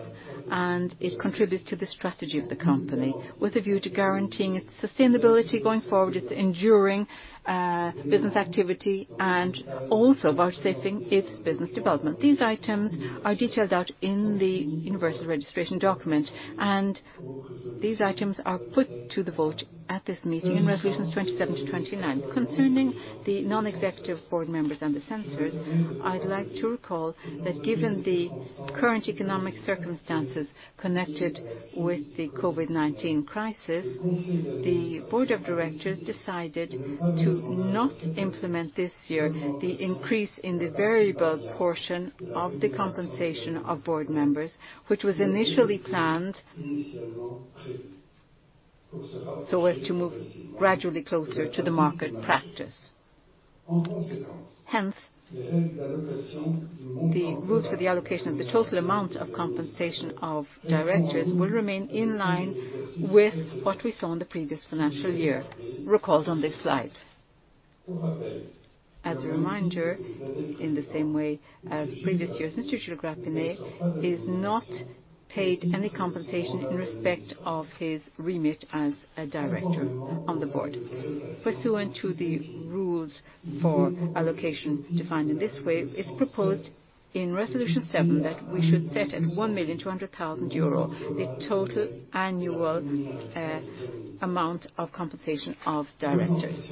A: and it contributes to the strategy of the company with a view to guaranteeing its sustainability going forward, its enduring business activity, and also about safeguarding its business development. These items are detailed out in the Universal Registration Document, and these items are put to the vote at this meeting in resolutions 27-29. Concerning the non-executive board members and the censors, I'd like to recall that given the current economic circumstances connected with the COVID-19 crisis, the board of directors decided to not implement this year the increase in the variable portion of the compensation of board members, which was initially planned so as to move gradually closer to the market practice. Hence, the rules for the allocation of the total amount of compensation of directors will remain in line with what we saw in the previous financial year, recalled on this slide. As a reminder, in the same way as previous years, Mr. Gilles Grapinet is not paid any compensation in respect of his remit as a director on the board. Pursuant to the rules for allocation defined in this way, it's proposed in resolution 7 that we should set at 1,200,000 euro, the total annual amount of compensation of directors.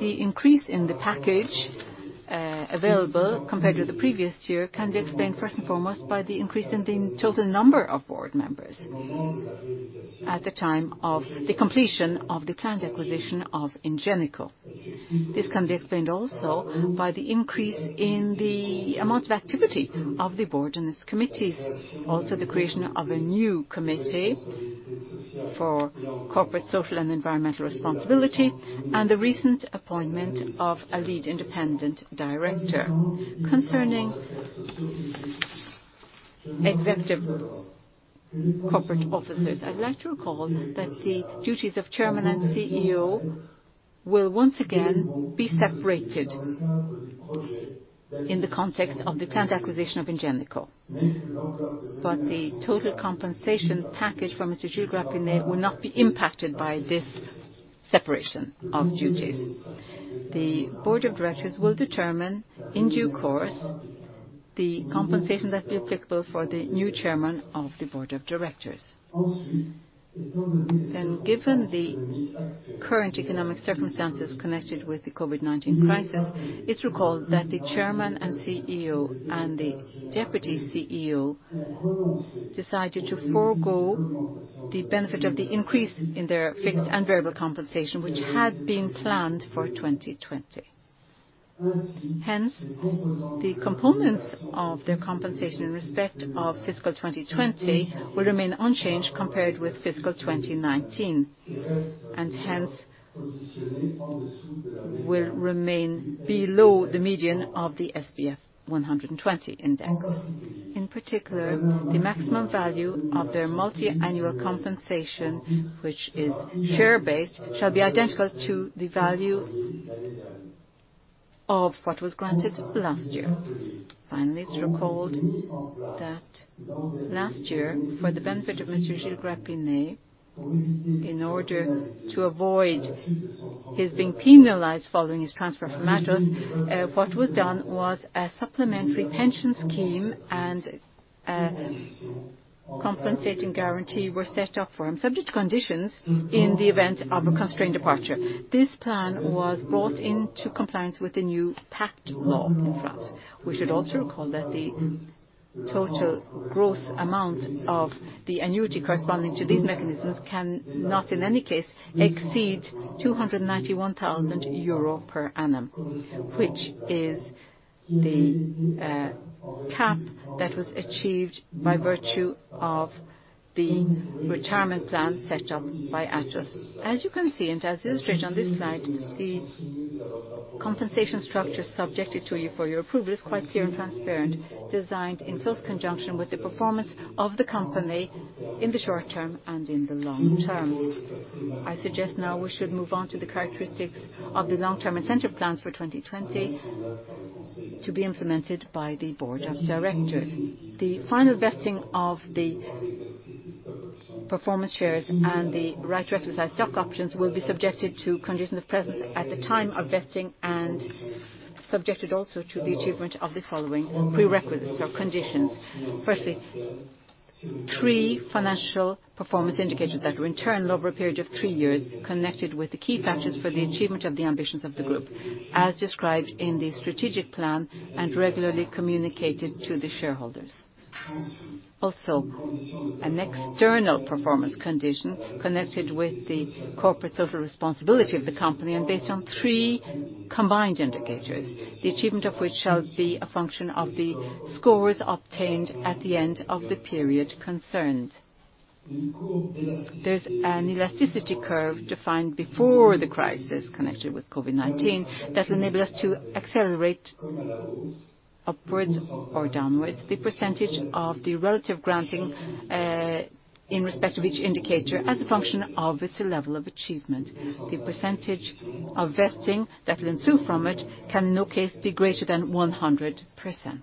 A: The increase in the package available compared with the previous year can be explained first and foremost by the increase in the total number of board members at the time of the completion of the planned acquisition of Ingenico. This can be explained also by the increase in the amount of activity of the board and its committees, also the creation of a new committee for corporate social and environmental responsibility, and the recent appointment of a lead independent director. Concerning executive corporate officers, I'd like to recall that the duties of chairman and CEO will once again be separated in the context of the planned acquisition of Ingenico, but the total compensation package from Mr. Gilles Grapinet will not be impacted by this separation of duties. The Board of Directors will determine in due course the compensation that will be applicable for the new Chairman of the Board of Directors. Then, given the current economic circumstances connected with the COVID-19 crisis, it's recalled that the Chairman and CEO and the Deputy CEO decided to forego the benefit of the increase in their fixed and variable compensation, which had been planned for 2020. Hence, the components of their compensation in respect of fiscal 2020 will remain unchanged compared with fiscal 2019 and hence will remain below the median of the SBF 120 index. In particular, the maximum value of their multi-annual compensation, which is share-based, shall be identical to the value of what was granted last year. Finally, it's recalled that last year, for the benefit of Mr. Gilles Grapinet, in order to avoid his being penalised following his transfer from Atos, what was done was a supplementary pension scheme and compensating guarantee were set up for him, subject to conditions in the event of a constrained departure. This plan was brought into compliance with the new Pacte law in France. We should also recall that the total gross amount of the annuity corresponding to these mechanisms cannot, in any case, exceed 291,000 euro per annum, which is the cap that was achieved by virtue of the retirement plan set up by Atos. As you can see and as illustrated on this slide, the compensation structure subjected to you for your approval is quite clear and transparent, designed in close conjunction with the performance of the company in the short term and in the long term. I suggest now we should move on to the characteristics of the long-term incentive plans for 2020 to be implemented by the board of directors. The final vesting of the performance shares and the right to exercise stock options will be subjected to conditions of presence at the time of vesting and subjected also to the achievement of the following prerequisites or conditions. Firstly, three financial performance indicators that were in turn over a period of three years connected with the key factors for the achievement of the ambitions of the group, as described in the strategic plan and regularly communicated to the shareholders. Also, an external performance condition connected with the corporate social responsibility of the company and based on three combined indicators, the achievement of which shall be a function of the scores obtained at the end of the period concerned. There's an elasticity curve defined before the crisis connected with COVID-19 that enables us to accelerate upwards or downwards the percentage of the relative granting in respect of each indicator as a function of its level of achievement. The percentage of vesting that will ensue from it can, in no case, be greater than 100%.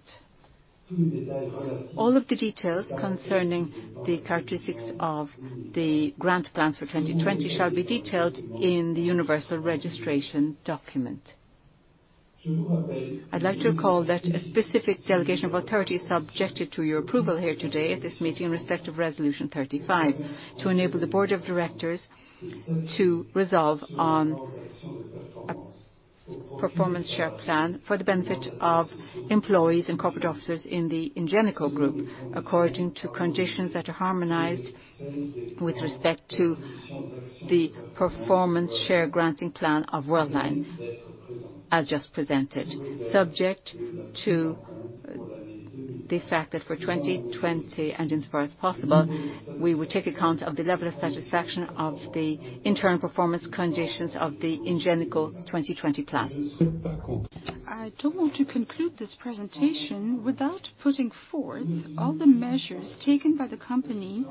A: All of the details concerning the characteristics of the grant plans for 2020 shall be detailed in the Universal Registration Document. I'd like to recall that a specific delegation of authority is subjected to your approval here today at this meeting in respect of resolution 35 to enable the board of directors to resolve on a performance share plan for the benefit of employees and corporate officers in the Ingenico Group according to conditions that are harmonized with respect to the performance share granting plan of Worldline as just presented, subject to the fact that for 2020 and insofar as possible, we would take account of the level of satisfaction of the internal performance conditions of the Ingenico 2020 plan. I don't want to conclude this presentation without putting forth all the measures taken by the company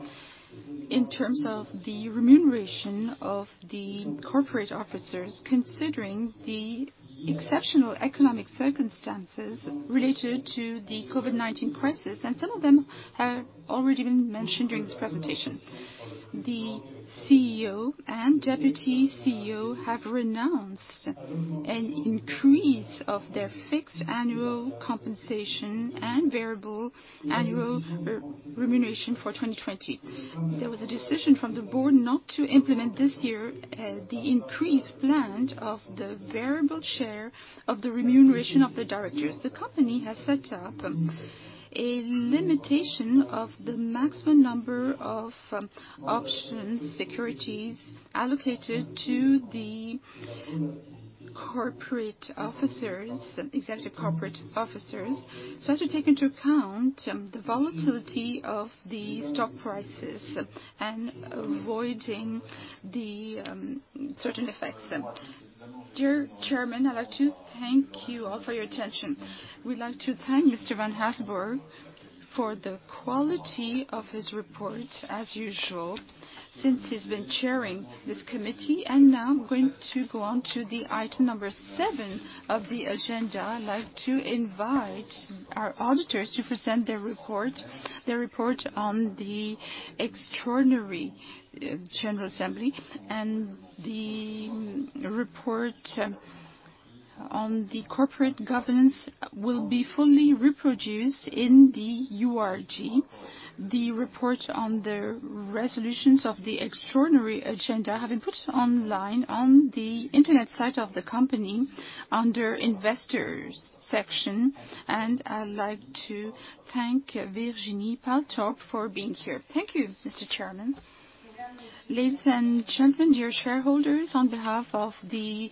A: in terms of the remuneration of the corporate officers considering the exceptional economic circumstances related to the COVID-19 crisis, and some of them have already been mentioned during this presentation. The CEO and Deputy CEO have renounced an increase of their fixed annual compensation and variable annual remuneration for 2020. There was a decision from the board not to implement this year the increase planned of the variable share of the remuneration of the directors. The company has set up a limitation of the maximum number of options, securities allocated to the executive corporate officers so as to take into account the volatility of the stock prices and avoiding the certain effects. Dear chairman, I'd like to thank you all for your attention. We'd like to thank Mr. von Habsburg for the quality of his report, as usual, since he's been chairing this committee. And now, I'm going to go on to item number seven of the agenda. I'd like to invite our auditors to present their report on the extraordinary general assembly, and the report on the corporate governance will be fully reproduced in the URD. The report on the resolutions of the extraordinary agenda have been put online on the internet site of the company under Investors section, and I'd like to thank Virginie Palethorpe for being here. Thank you, Mr. Chairman. Ladies and gentlemen, dear shareholders, on behalf of the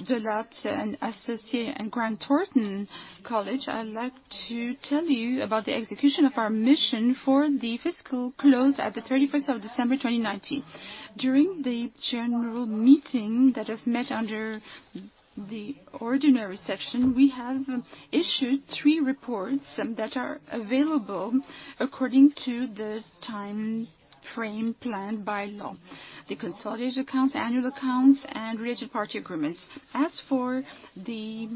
A: Deloitte & Associés and Grant Thornton college, I'd like to tell you about the execution of our mission for the fiscal close at the 31st of December 2019. During the general meeting that was met under the ordinary section, we have issued three reports that are available according to the timeframe planned by law: the consolidated accounts, annual accounts, and related party agreements. As for the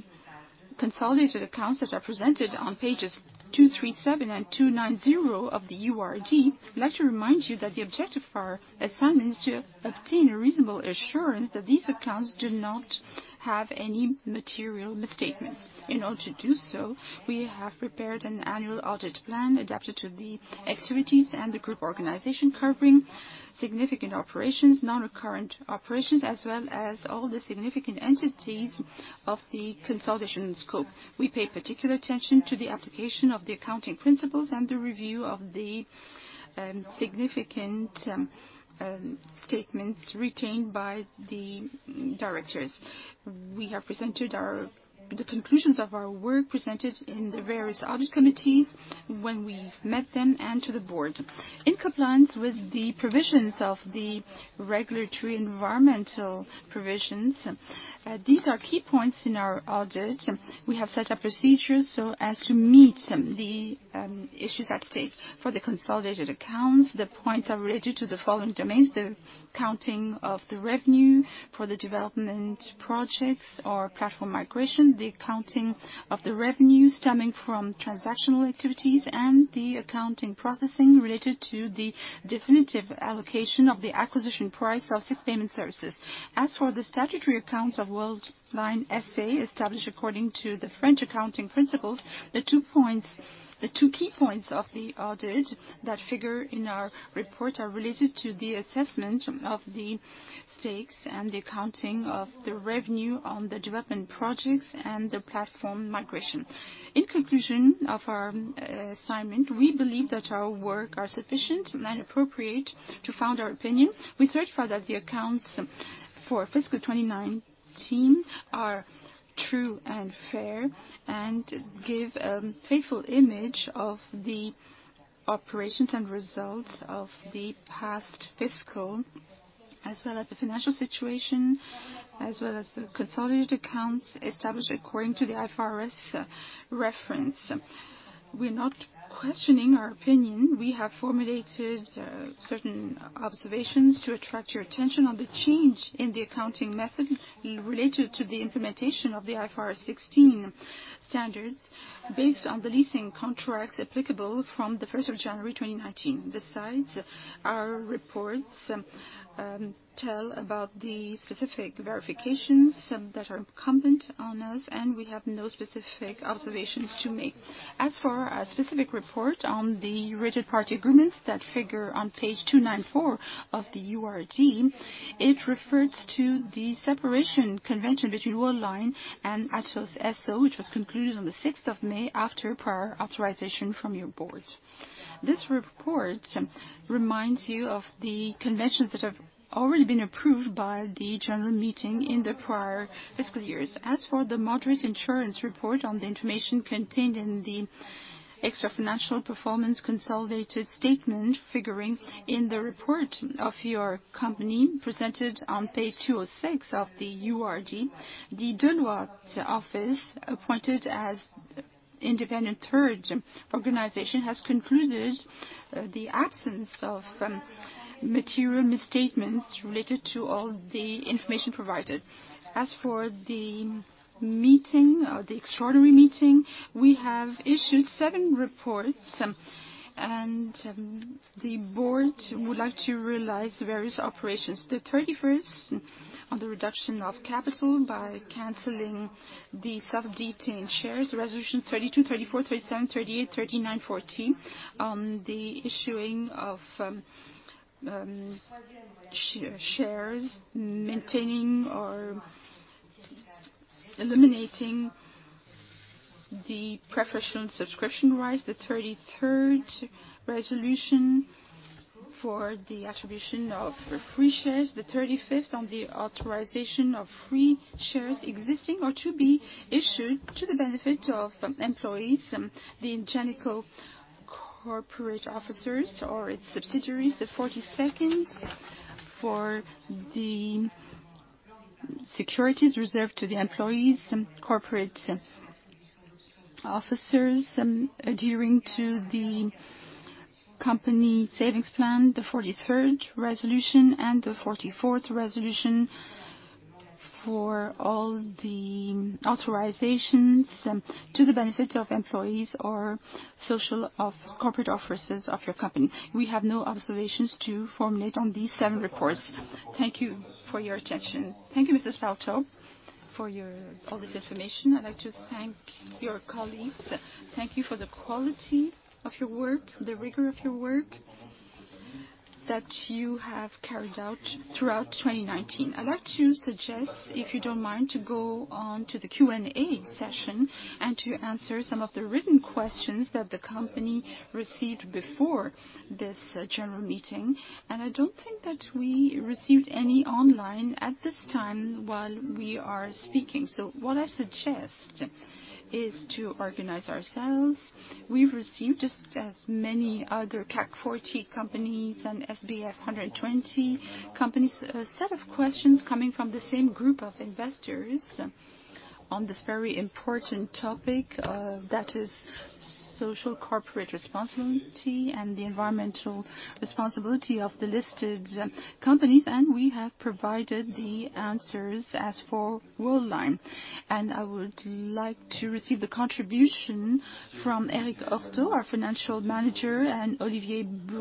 A: consolidated accounts that are presented on pages 237 and 290 of the URD, I'd like to remind you that the objective of our assignment is to obtain a reasonable assurance that these accounts do not have any material misstatements. In order to do so, we have prepared an annual audit plan adapted to the activities and the group organization covering significant operations, non-recurrent operations, as well as all the significant entities of the consolidation scope. We pay particular attention to the application of the accounting principles and the review of the significant statements retained by the directors. We have presented the conclusions of our work presented in the various audit committees when we've met them and to the board. In compliance with the provisions of the regulatory environmental provisions, these are key points in our audit. We have set up procedures so as to meet the issues at stake. For the consolidated accounts, the points are related to the following domains: the accounting of the revenue for the development projects or platform migration, the accounting of the revenue stemming from transactional activities, and the accounting processing related to the definitive allocation of the acquisition price of SIX Payment Services. As for the statutory accounts of Worldline SA established according to the French accounting principles, the two key points of the audit that figure in our report are related to the assessment of the stakes and the accounting of the revenue on the development projects and the platform migration. In conclusion of our assignment, we believe that our work is sufficient and appropriate to found our opinion. We certify that the accounts for fiscal 2019 are true and fair and give a faithful image of the operations and results of the past fiscal, as well as the financial situation, as well as the consolidated accounts established according to the IFRS reference. We're not questioning our opinion. We have formulated certain observations to attract your attention on the change in the accounting method related to the implementation of the IFRS 16 standards based on the leasing contracts applicable from the 1st of January 2019. Besides, our reports tell about the specific verifications that are incumbent on us, and we have no specific observations to make. As for a specific report on the related party agreements that figure on page 294 of the URD, it refers to the separation convention between Worldline and Atos SE, which was concluded on the 6th of May after prior authorization from your board. This report reminds you of the conventions that have already been approved by the general meeting in the prior fiscal years. As for the statutory assurance report on the information contained in the extra-financial performance consolidated statement figuring in the report of your company presented on page 206 of the URD, the Deloitte office appointed as independent third organization has concluded the absence of material misstatements related to all the information provided. As for the extraordinary meeting, we have issued 7 reports, and the board would like to realize various operations. The 31st on the reduction of capital by canceling the self-held shares, resolutions 32, 34, 37, 38, 39, 14, on the issuing of shares, maintaining or eliminating the preferential subscription rights. The 33rd resolution for the attribution of free shares. The 35th on the authorization of free shares existing or to be issued to the benefit of employees, the Ingenico corporate officers or its subsidiaries. The 42nd for the securities reserved to the employees, corporate officers adhering to the company savings plan. The 43rd resolution and the 44th resolution for all the authorizations to the benefit of employees or corporate officers of your company. We have no observations to formulate on these seven reports. Thank you for your attention. Thank you, Mrs. Palethorpe, for all this information. I'd like to thank your colleagues. Thank you for the quality of your work, the rigor of your work that you have carried out throughout 2019. I'd like to suggest, if you don't mind, to go on to the Q&A session and to answer some of the written questions that the company received before this general meeting. I don't think that we received any online at this time while we are speaking. So what I suggest is to organize ourselves. We've received, just as many other CAC 40 companies and SBF 120 companies, a set of questions coming from the same group of investors on this very important topic that is social corporate responsibility and the environmental responsibility of the listed companies, and we have provided the answers as for Worldline. I would like to receive the contribution from Eric Heurtaux, our financial manager, and Olivier Burger,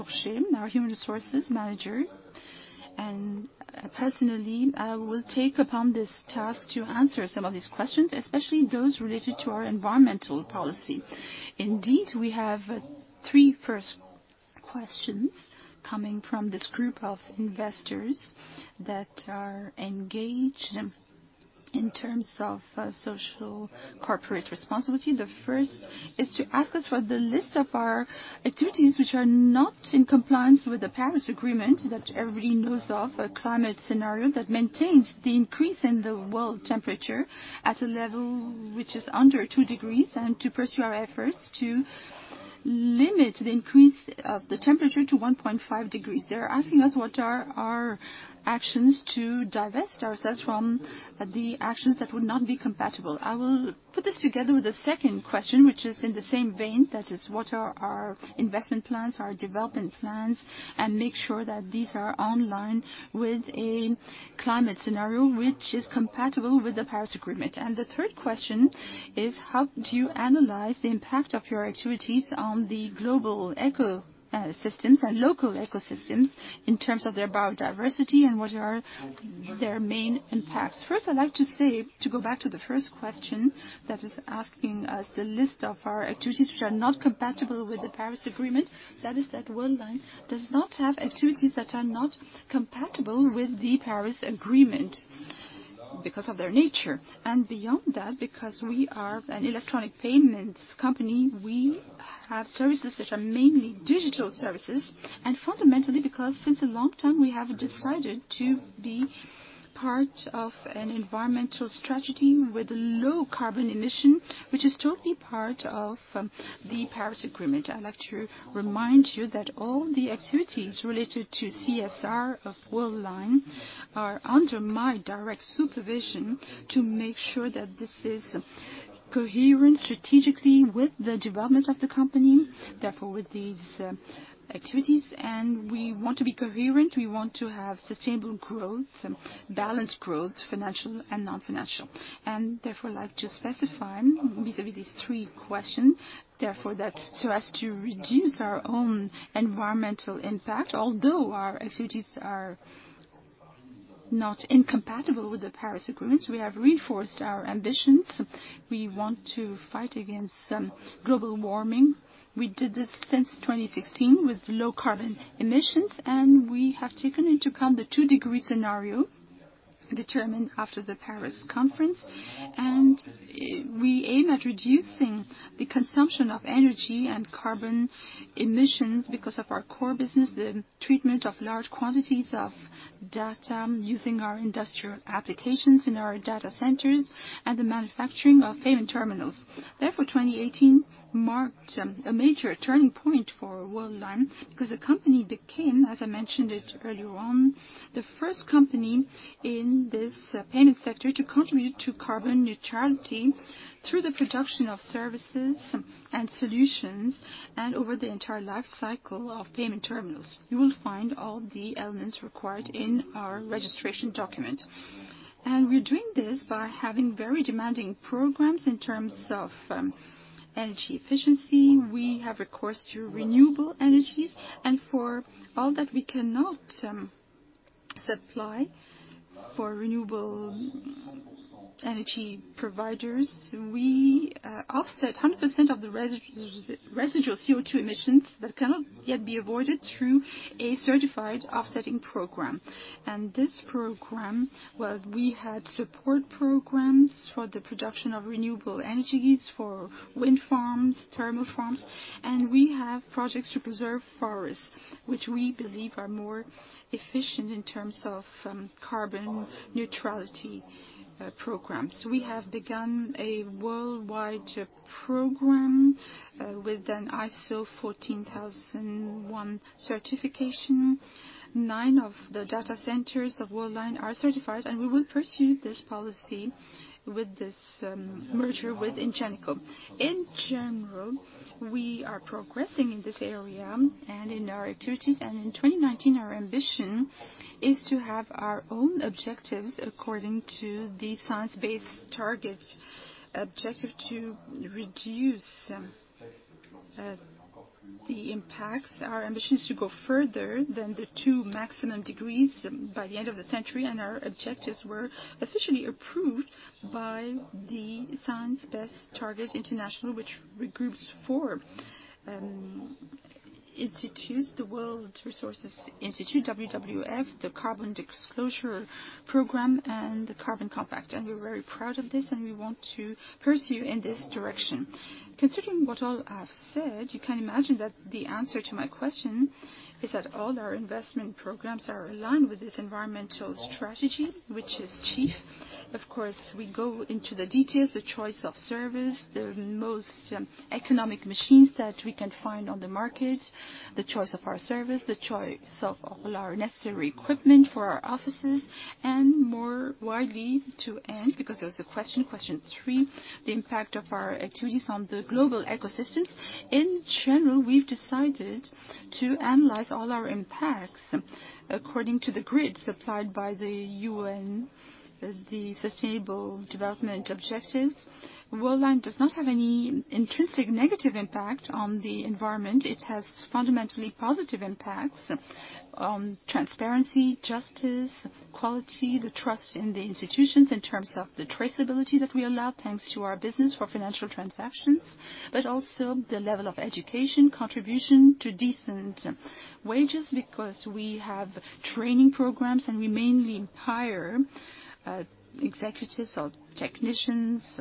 A: our human resources manager. Personally, I will take upon this task to answer some of these questions, especially those related to our environmental policy. Indeed, we have three first questions coming from this group of investors that are engaged in terms of social corporate responsibility. The first is to ask us for the list of our activities which are not in compliance with the Paris Agreement that everybody knows of, a climate scenario that maintains the increase in the world temperature at a level which is under two degrees, and to pursue our efforts to limit the increase of the temperature to 1.5 degrees. They are asking us what are our actions to divest ourselves from the actions that would not be compatible. I will put this together with the second question, which is in the same vein. That is, what are our investment plans, our development plans, and make sure that these are aligned with a climate scenario which is compatible with the Paris Agreement. And the third question is, how do you analyze the impact of your activities on the global ecosystems and local ecosystems in terms of their biodiversity and what are their main impacts? First, I'd like to go back to the first question that is asking us the list of our activities which are not compatible with the Paris Agreement. That is that Worldline does not have activities that are not compatible with the Paris Agreement because of their nature. And beyond that, because we are an electronic payments company, we have services that are mainly digital services. Fundamentally, because since a long time, we have decided to be part of an environmental strategy with low carbon emission, which is totally part of the Paris Agreement. I'd like to remind you that all the activities related to CSR of Worldline are under my direct supervision to make sure that this is coherent strategically with the development of the company, therefore, with these activities. We want to be coherent. We want to have sustainable growth, balanced growth, financial and non-financial. Therefore, I'd like to specify vis-à-vis these three questions, therefore, that so as to reduce our own environmental impact, although our activities are not incompatible with the Paris Agreements, we have reinforced our ambitions. We want to fight against global warming. We did this since 2016 with low carbon emissions, and we have taken into account the two-degree scenario determined after the Paris Conference. We aim at reducing the consumption of energy and carbon emissions because of our core business, the treatment of large quantities of data using our industrial applications in our data centers, and the manufacturing of payment terminals. Therefore, 2018 marked a major turning point for Worldline because the company became, as I mentioned earlier on, the first company in this payment sector to contribute to carbon neutrality through the production of services and solutions and over the entire life cycle of payment terminals. You will find all the elements required in our registration document. We're doing this by having very demanding programs in terms of energy efficiency. We have a course to renewable energies. For all that we cannot supply for renewable energy providers, we offset 100% of the residual CO2 emissions that cannot yet be avoided through a certified offsetting program. This program, well, we had support programs for the production of renewable energies for wind farms, thermal farms, and we have projects to preserve forests, which we believe are more efficient in terms of carbon neutrality programs. We have begun a worldwide program with an ISO 14001 certification. Nine of the data centers of Worldline are certified, and we will pursue this policy with this merger with Ingenico. In general, we are progressing in this area and in our activities. In 2019, our ambition is to have our own objectives according to the Science Based Targets objective to reduce the impacts. Our ambition is to go further than the two maximum degrees by the end of the century, and our objectives were officially approved by the Science Based Targets international, which regroups four institutes: the World Resources Institute, WWF, the Carbon Disclosure Project, and the Carbon Compact. And we're very proud of this, and we want to pursue in this direction. Considering what all I've said, you can imagine that the answer to my question is that all our investment programmes are aligned with this environmental strategy, which is chief. Of course, we go into the details, the choice of service, the most economic machines that we can find on the market, the choice of our service, the choice of all our necessary equipment for our offices, and more widely to end, because there was a question, question three, the impact of our activities on the global ecosystems. In general, we've decided to analyze all our impacts according to the grid supplied by the UN, the Sustainable Development Objectives. Worldline does not have any intrinsic negative impact on the environment. It has fundamentally positive impacts on transparency, justice, quality, the trust in the institutions in terms of the traceability that we allow thanks to our business for financial transactions, but also the level of education, contribution to decent wages because we have training programs, and we mainly hire executives or technicians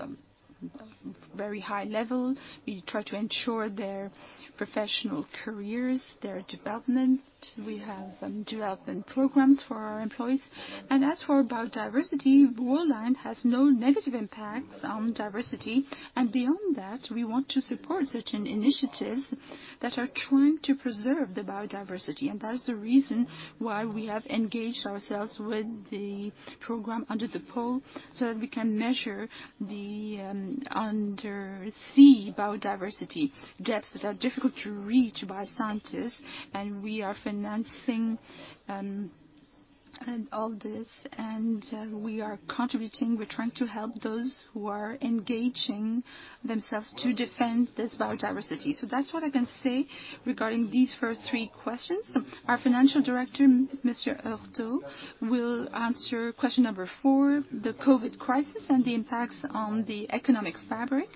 A: very high level. We try to ensure their professional careers, their development. We have development programs for our employees. As for biodiversity, Worldline has no negative impacts on biodiversity. Beyond that, we want to support certain initiatives that are trying to preserve the biodiversity. That is the reason why we have engaged ourselves with the program Under The Pole so that we can measure the undersea biodiversity depths that are difficult to reach by scientists. We are financing all this, and we are contributing. We're trying to help those who are engaging themselves to defend this biodiversity. So that's what I can say regarding these first 3 questions. Our financial director, Mr. Heurtaux, will answer question number 4, the COVID crisis and the impacts on the economic fabric.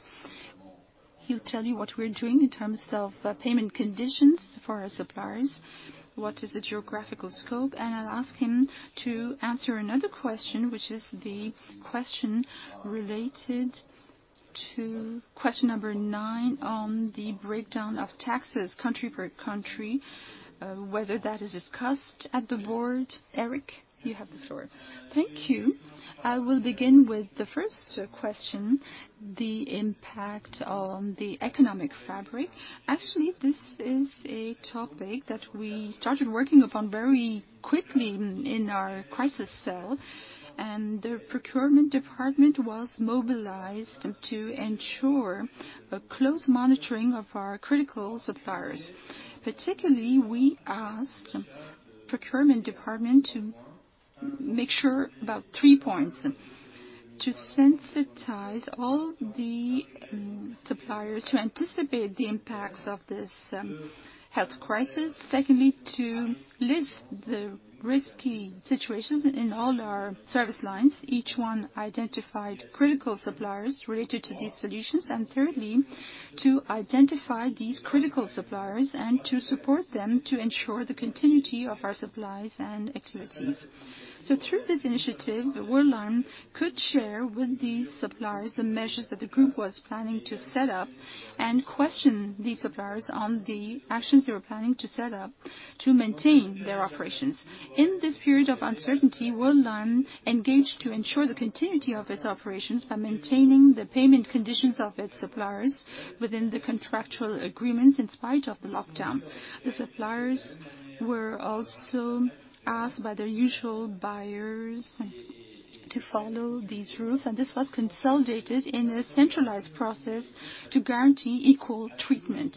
A: He'll tell you what we're doing in terms of payment conditions for our suppliers, what is the geographical scope. And I'll ask him to answer another question, which is the question related to question number 9 on the breakdown of taxes country per country, whether that is discussed at the board. Eric, you have the floor. Thank you. I will begin with the first question, the impact on the economic fabric. Actually, this is a topic that we started working upon very quickly in our crisis cell, and the procurement department was mobilized to ensure close monitoring of our critical suppliers. Particularly, we asked the procurement department to make sure about three points: to sensitize all the suppliers, to anticipate the impacts of this health crisis; secondly, to list the risky situations in all our service lines, each one identified critical suppliers related to these solutions; and thirdly, to identify these critical suppliers and to support them to ensure the continuity of our supplies and activities. So through this initiative, Worldline could share with these suppliers the measures that the group was planning to set up and question these suppliers on the actions they were planning to set up to maintain their operations. In this period of uncertainty, Worldline engaged to ensure the continuity of its operations by maintaining the payment conditions of its suppliers within the contractual agreements in spite of the lockdown. The suppliers were also asked by their usual buyers to follow these rules, and this was consolidated in a centralized process to guarantee equal treatment.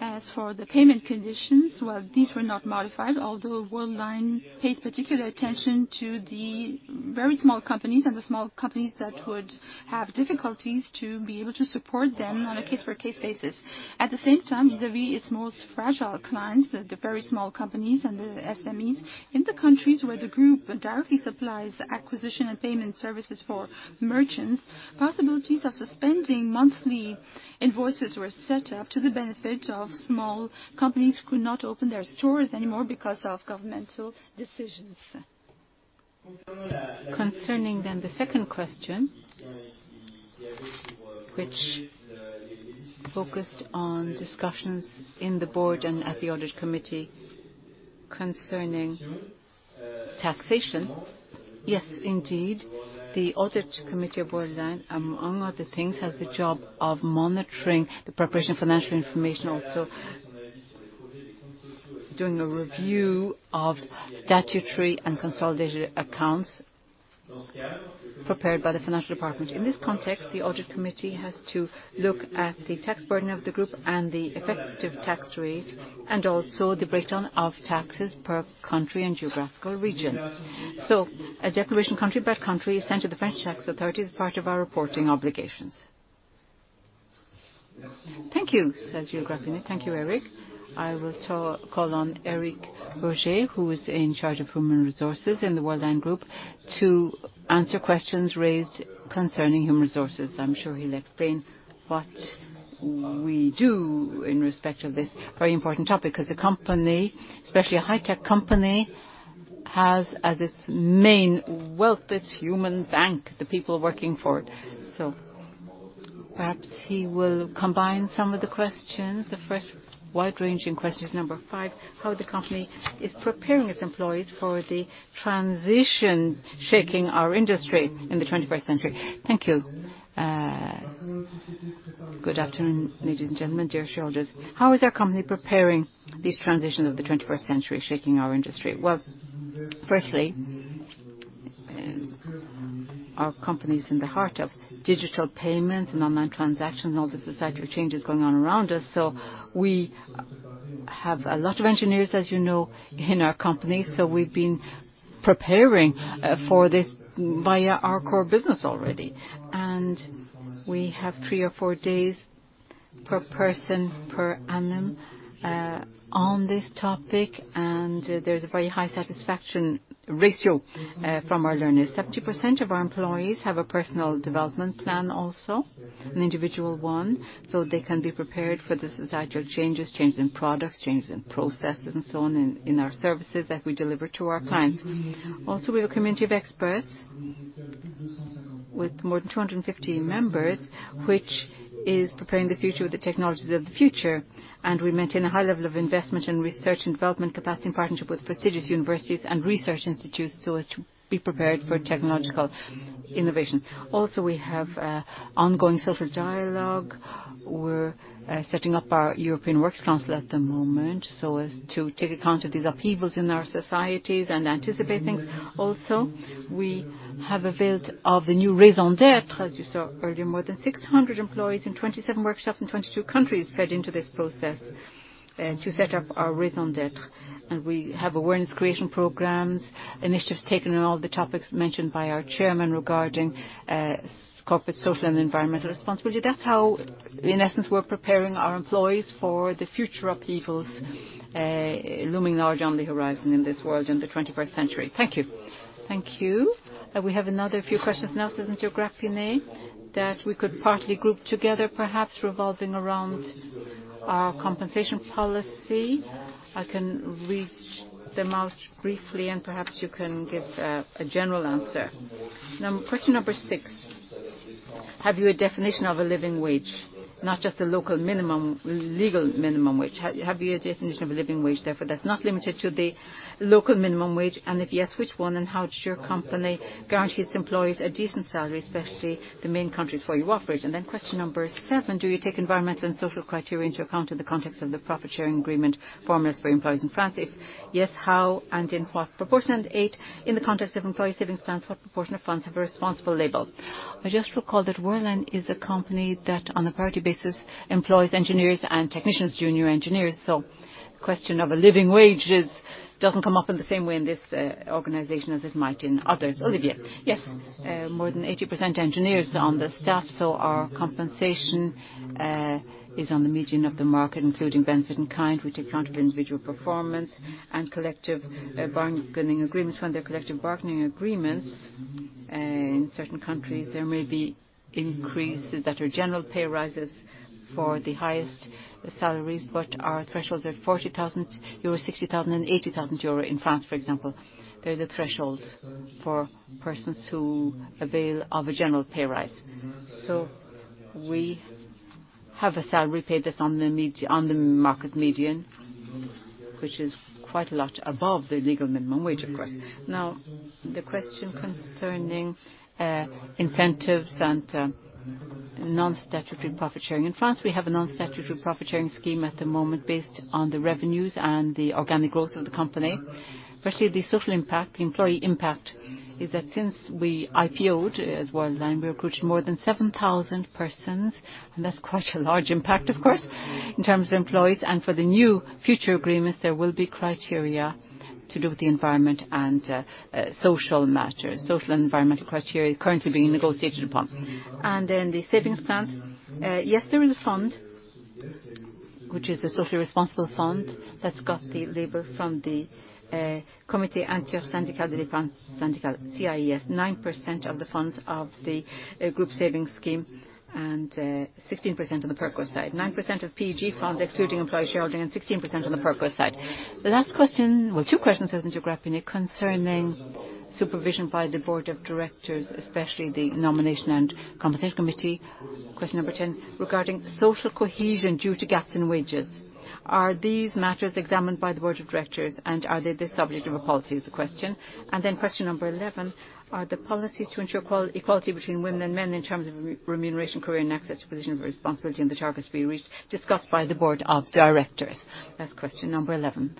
A: As for the payment conditions, well, these were not modified, although Worldline pays particular attention to the very small companies and the small companies that would have difficulties to be able to support them on a case-by-case basis. At the same time, vis-à-vis its most fragile clients, the very small companies and the SMEs in the countries where the group directly supplies acquisition and payment services for merchants, possibilities of suspending monthly invoices were set up to the benefit of small companies who could not open their stores anymore because of governmental decisions. Concerning then the second question, which focused on discussions in the board and at the audit committee concerning taxation. Yes, indeed. The audit committee of Worldline, among other things, has the job of monitoring the preparation of financial information, also doing a review of statutory and consolidated accounts prepared by the financial department. In this context, the audit committee has to look at the tax burden of the group and the effective tax rate, and also the breakdown of taxes per country and geographical region. A declaration country by country is sent to the French tax authority as part of our reporting obligations. Thank you, says Gilles Grapinet. Thank you, Eric. I will call on Olivier Burger, who is in charge of human resources in the Worldline Group, to answer questions raised concerning human resources. I'm sure he'll explain what we do in respect of this very important topic because a company, especially a high-tech company, has as its main wealth its human bank, the people working for it. So perhaps he will combine some of the questions. The first wide-ranging question is number 5, how the company is preparing its employees for the transition shaking our industry in the 21st century. Thank you. Good afternoon, ladies and gentlemen, dear shareholders. How is our company preparing this transition of the 21st century shaking our industry? Well, firstly, our company is in the heart of digital payments and online transactions and all the societal changes going on around us. So we have a lot of engineers, as you know, in our company, so we've been preparing for this via our core business already. And we have 3 or 4 days per person, per annum, on this topic, and there's a very high satisfaction ratio from our learners. 70% of our employees have a personal development plan also, an individual one, so they can be prepared for the societal changes, changes in products, changes in processes, and so on in our services that we deliver to our clients. Also, we have a community of experts with more than 250 members, which is preparing the future with the technologies of the future. And we maintain a high level of investment and research and development capacity in partnership with prestigious universities and research institutes so as to be prepared for technological innovation. Also, we have ongoing social dialogue. We're setting up our European Works Council at the moment so as to take account of these upheavals in our societies and anticipate things. Also, we have a vault of the new raison d'être, as you saw earlier, more than 600 employees in 27 workshops in 22 countries fed into this process to set up our raison d'être. And we have awareness creation programs, initiatives taken on all the topics mentioned by our chairman regarding corporate social and environmental responsibility. That's how, in essence, we're preparing our employees for the future upheavals looming large on the horizon in this world in the 21st century. Thank you. Thank you. We have another few questions now, Monsieur Gilles Grapinet, that we could partly group together, perhaps revolving around our compensation policy. I can read them out briefly, and perhaps you can give a general answer. Question number six, have you a definition of a living wage, not just a local minimum, legal minimum wage? Have you a definition of a living wage, therefore, that's not limited to the local minimum wage? And if yes, which one? And how does your company guarantee its employees a decent salary, especially the main countries where you operate? And then question number seven, do you take environmental and social criteria into account in the context of the profit-sharing agreement formulas for employees in France? If yes, how and in what proportion? And eight, in the context of employee savings plans, what proportion of funds have a responsible label? I just recall that Worldline is a company that, on a priority basis, employs engineers and technicians, junior engineers. So the question of a living wage doesn't come up in the same way in this organization as it might in others. Oliver, yes, more than 80% engineers on the staff, so our compensation is on the median of the market, including benefits in kind. We take account of individual performance and collective bargaining agreements. When there are collective bargaining agreements in certain countries, there may be increases that are general pay rises for the highest salaries, but our thresholds are 40,000 euros, 60,000, and 80,000 euros in France, for example. There are the thresholds for persons who avail of a general pay rise. So we have a salary pay that's on the market median, which is quite a lot above the legal minimum wage, of course. Now, the question concerning incentives and non-statutory profit-sharing. In France, we have a non-statutory profit-sharing scheme at the moment based on the revenues and the organic growth of the company. Firstly, the social impact, the employee impact, is that since we IPO'd at Worldline, we recruited more than 7,000 persons, and that's quite a large impact, of course, in terms of employees. For the new future agreements, there will be criteria to do with the environment and social matters, social and environmental criteria currently being negotiated upon. Then the savings plans, yes, there is a fund, which is a socially responsible fund that's got the label from the Comité Anti-Syndicale de la France Syndicale, CIES, 9% of the funds of the group savings scheme and 16% on the PERCO side, 9% of PEG funds excluding employee shareholding and 16% on the PERCO side. Last question, well, two questions, Monsieur Giorgio Rapini, concerning supervision by the Board of Directors, especially the Nomination and Compensation Committee. Question number 10, regarding social cohesion due to gaps in wages, are these matters examined by the board of directors, and are they the subject of a policy? Is the question. And then question number 11, are the policies to ensure equality between women and men in terms of remuneration, career, and access to position and responsibility in the targets to be reached discussed by the board of directors? That's question number 11.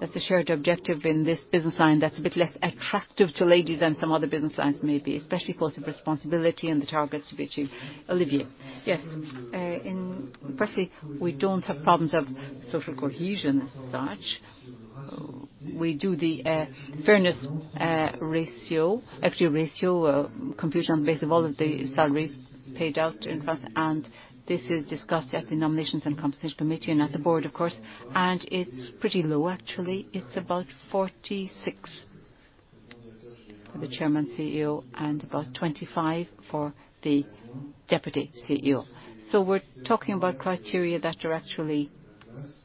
A: That's a shared objective in this business line that's a bit less attractive to ladies than some other business lines may be, especially positive responsibility and the targets to be achieved. Oliver, yes. Firstly, we don't have problems of social cohesion as such. We do the fairness ratio, equity ratio, compute on the basis of all of the salaries paid out in France, and this is discussed at the Nominations and Compensation Committee and at the board, of course. And it's pretty low, actually. It's about 46 for the chairman CEO and about 25 for the deputy CEO. So we're talking about criteria that are actually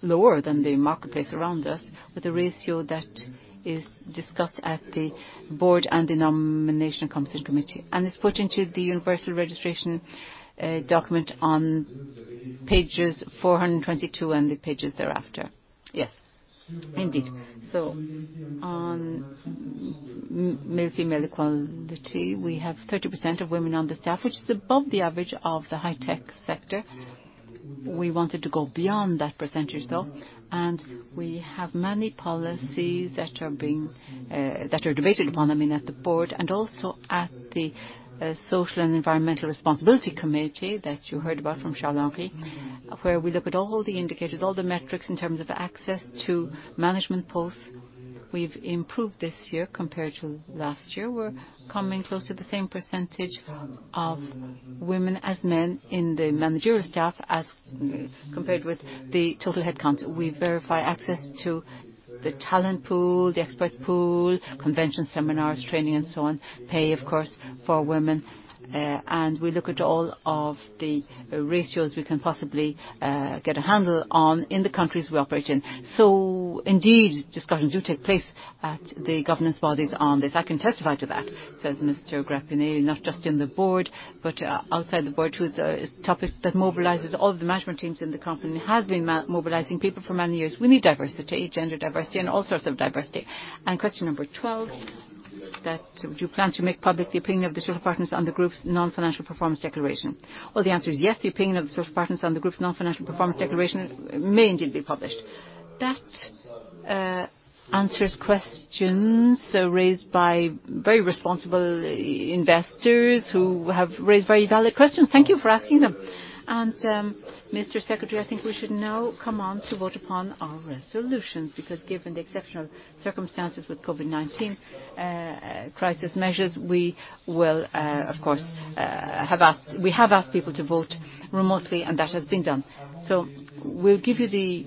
A: lower than the marketplace around us with a ratio that is discussed at the board and the Nominations and Compensation Committee and is put into the Universal Registration Document on page 422 and the pages thereafter. Yes, indeed. So on male-female equality, we have 30% of women on the staff, which is above the average of the high-tech sector. We wanted to go beyond that percentage, though. We have many policies that are being debated upon, I mean, at the board and also at the social and environmental responsibility committee that you heard about from Charles-Henri, where we look at all the indicators, all the metrics in terms of access to management posts. We've improved this year compared to last year. We're coming close to the same percentage of women as men in the managerial staff as compared with the total headcount. We verify access to the talent pool, the experts pool, convention seminars, training, and so on, pay, of course, for women. And we look at all of the ratios we can possibly get a handle on in the countries we operate in. So indeed, discussions do take place at the governance bodies on this. I can testify to that, says Mr. Rapini, not just in the board but outside the board, too, it's a topic that mobilizes all of the management teams in the company, has been mobilizing people for many years. We need diversity, gender diversity, and all sorts of diversity. And question number 12, that do you plan to make public the opinion of the social partners on the group's non-financial performance declaration? Well, the answer is yes. The opinion of the social partners on the group's non-financial performance declaration may indeed be published. That answers questions raised by very responsible investors who have raised very valid questions. Thank you for asking them. And Mr. Secretary, I think we should now come on to vote upon our resolutions because given the exceptional circumstances with COVID-19 crisis measures, we will, of course, we have asked people to vote remotely, and that has been done. We'll give you the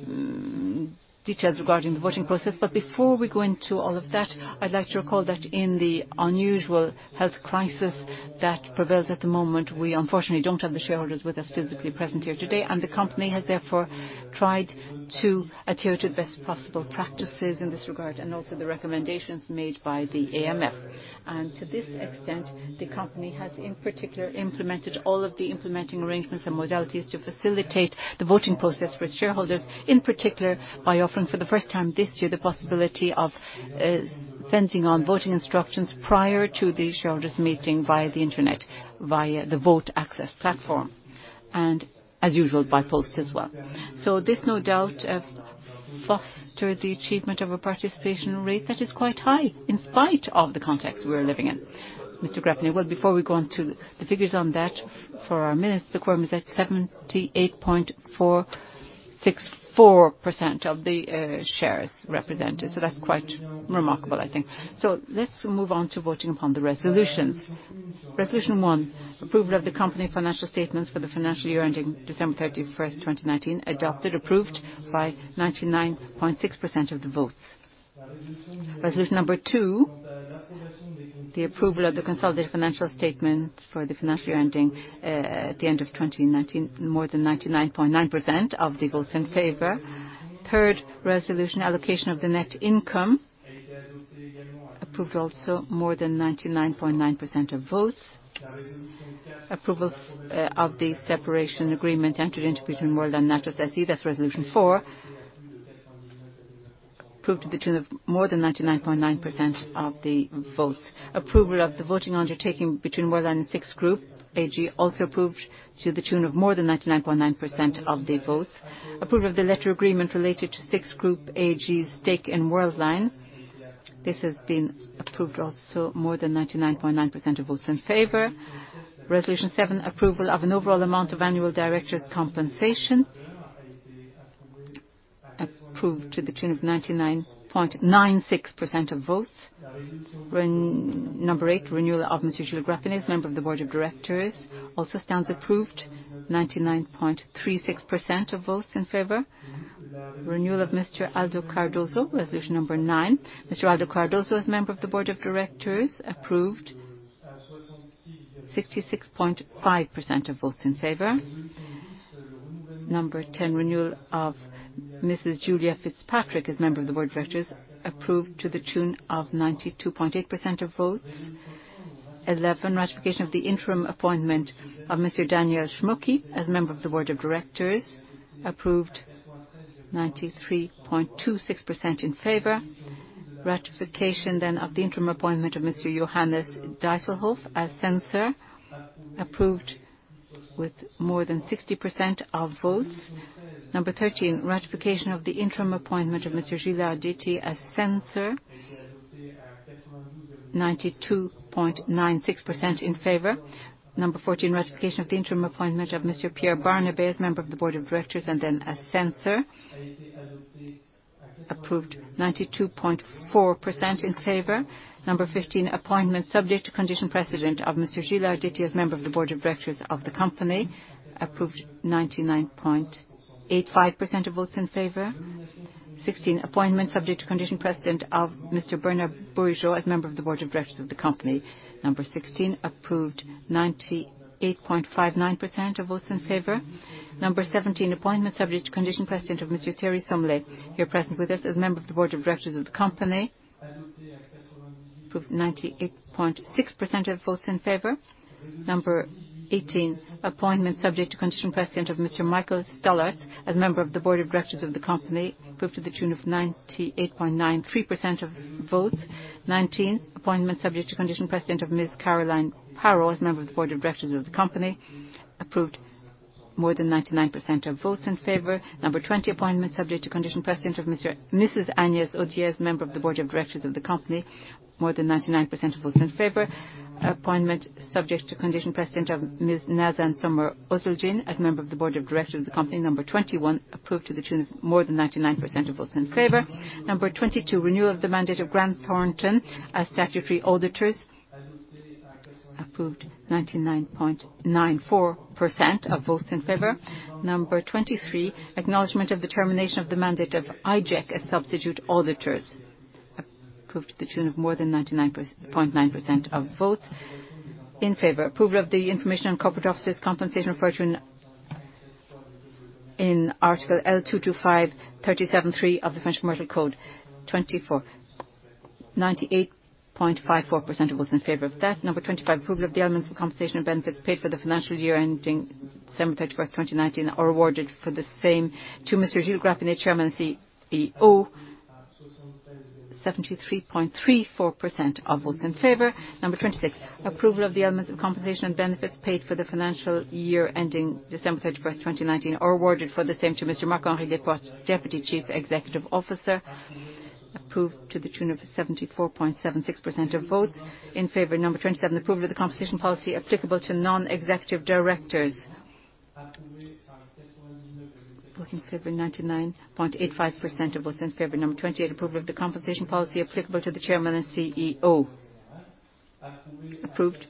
A: details regarding the voting process. Before we go into all of that, I'd like to recall that in the unusual health crisis that prevails at the moment, we, unfortunately, don't have the shareholders with us physically present here today. The company has, therefore, tried to adhere to the best possible practices in this regard and also the recommendations made by the AMF. To this extent, the company has, in particular, implemented all of the implementing arrangements and modalities to facilitate the voting process for its shareholders, in particular by offering for the first time this year the possibility of sending on voting instructions prior to the shareholders' meeting via the internet, via the Votaccess platform, and as usual, by post as well. So this, no doubt, fostered the achievement of a participation rate that is quite high in spite of the context we're living in. Mr. Grapinet, well, before we go on to the figures on that for our minutes, the quorum is at 78.464% of the shares represented. So that's quite remarkable, I think. So let's move on to voting upon the resolutions. Resolution one, approval of the company financial statements for the financial year ending December 31st, 2019, adopted, approved by 99.6% of the votes. Resolution number two, the approval of the consolidated financial statements for the financial year ending at the end of 2019, more than 99.9% of the votes in favour. Third resolution, allocation of the net income, approved also, more than 99.9% of votes. Approval of the separation agreement entered into between Worldline and Atos SE, that's resolution 4, approved to the tune of more than 99.9% of the votes. Approval of the voting undertaken between Worldline and SIX Group AG, also approved to the tune of more than 99.9% of the votes. Approval of the letter agreement related to SIX Group AG's stake in Worldline. This has been approved also, more than 99.9% of votes in favor. Resolution 7, approval of an overall amount of annual directors' compensation, approved to the tune of 99.96% of votes. Number 8, renewal of Mr. Gilles Grapinet, as member of the board of directors, also stands approved, 99.36% of votes in favor. Renewal of Mr. Aldo Cardoso, resolution number 9. Mr. Aldo Cardoso as member of the board of directors, approved, 66.5% of votes in favor. Number 10, renewal of Mrs. Giulia Fitzpatrick as member of the board of directors, approved to the tune of 92.8% of votes. 11, ratification of the interim appointment of Mr. Daniel Schmucki as member of the board of directors, approved, 93.26% in favour. Ratification then of the interim appointment of Mr. Johannes Dietsch as censor, approved with more than 60% of votes. Number 13, ratification of the interim appointment of Mr. Gilles Arditti as censor, 92.96% in favour. Number 14, ratification of the interim appointment of Mr. Pierre Barnabé as member of the board of directors and then as censor, approved, 92.4% in favour. Number 15, appointment subject to condition precedent of Mr. Gilles Arditti as member of the board of directors of the company, approved, 99.85% of votes in favour. 16, appointment subject to condition precedent of Mr. Bernard Bourigeaud as member of the board of directors of the company. 16, approved, 98.59% of votes in favour. 17, appointment subject to condition precedent of Mr. Thierry Sommelet, here present with us as member of the board of directors of the company, approved, 98.6% of votes in favour. 18, appointment subject to condition precedent of Mr. Michael Stollarz as member of the board of directors of the company, approved to the tune of 98.93% of votes. 19, appointment subject to condition precedent of Ms. Caroline Parot as member of the board of directors of the company, approved, more than 99% of votes in favour. 20, appointment subject to condition precedent of Mrs. Agnès Audier, member of the board of directors of the company, more than 99% of votes in favour. Appointment subject to condition precedent of Ms. Nazan Somer Özelgin as member of the board of directors of the company. Number 21, approved to the tune of more than 99% of votes in favor. Number 22, renewal of the mandate of Grant Thornton as statutory auditors, approved, 99.94% of votes in favor. Number 23, acknowledgment of the termination of the mandate of IJEC as substitute auditors, approved to the tune of more than 99.9% of votes in favor. Approval of the information on corporate officers' compensation referred to in article L225.37.3 of the French Commercial Code. 24, 98.54% of votes in favor of that. Number 25, approval of the elements of compensation and benefits paid for the financial year ending December 31st, 2019, or awarded for the same to Mr. Gilles Grapinet, Chairman and CEO, 73.34% of votes in favor. Number 26, approval of the elements of compensation and benefits paid for the financial year ending December 31st, 2019, or awarded for the same to Mr. Marc-Henri Desportes, Deputy Chief Executive Officer, approved to the tune of 74.76% of votes in favor. Number 27, approval of the compensation policy applicable to non-executive directors, votes in favor, 99.85% of votes in favor. Number 28, approval of the compensation policy applicable to the chairman and CEO, approved,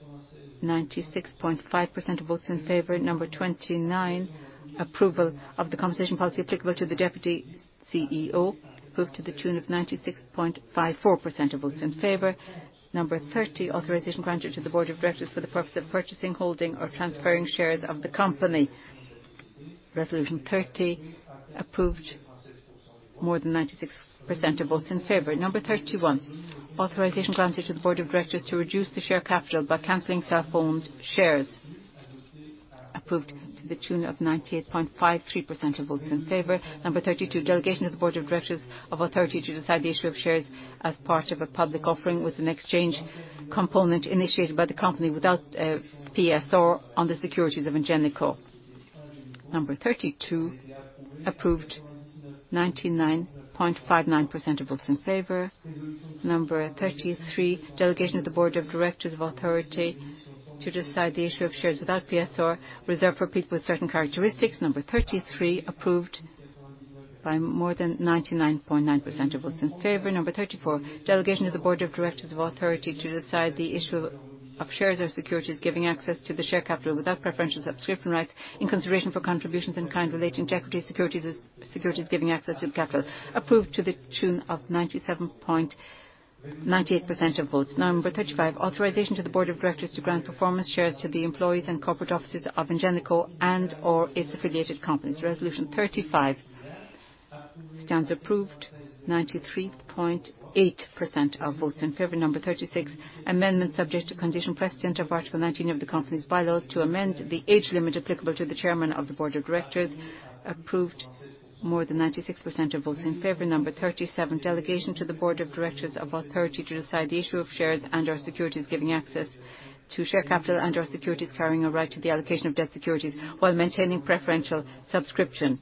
A: 96.5% of votes in favor. Number 29, approval of the compensation policy applicable to the deputy CEO, approved to the tune of 96.54% of votes in favor. Number 30, authorization granted to the board of directors for the purpose of purchasing, holding, or transferring shares of the company. Resolution 30, approved, more than 96% of votes in favor. Number 31, authorization granted to the board of directors to reduce the share capital by cancelling cancellable shares, approved to the tune of 98.53% of votes in favor. Number 32, delegation to the board of directors of authority to decide the issue of shares as part of a public offering with an exchange component initiated by the company without PSR on the securities of Ingenico. Number 32, approved, 99.59% of votes in favour. Number 33, delegation to the board of directors of authority to decide the issue of shares without PSR, reserved for repeat with certain characteristics. Number 33, approved by more than 99.9% of votes in favour. Number 34, delegation to the board of directors of authority to decide the issue of shares or securities, giving access to the share capital without preferential subscription rights in consideration for contributions in kind relating to equity, securities, securities, giving access to capital, approved to the tune of 97.98% of votes. Number 35, authorization to the board of directors to grant performance shares to the employees and corporate officers of Ingenico and/or its affiliated companies. Resolution 35 stands approved, 93.8% of votes in favor. Number 36, amendment subject to condition precedent of article 19 of the company's bylaws to amend the age limit applicable to the chairman of the board of directors, approved, more than 96% of votes in favor. Number 37, delegation to the board of directors of authority to decide the issue of shares and/or securities, giving access to share capital and/or securities, carrying a right to the allocation of debt securities while maintaining preferential subscription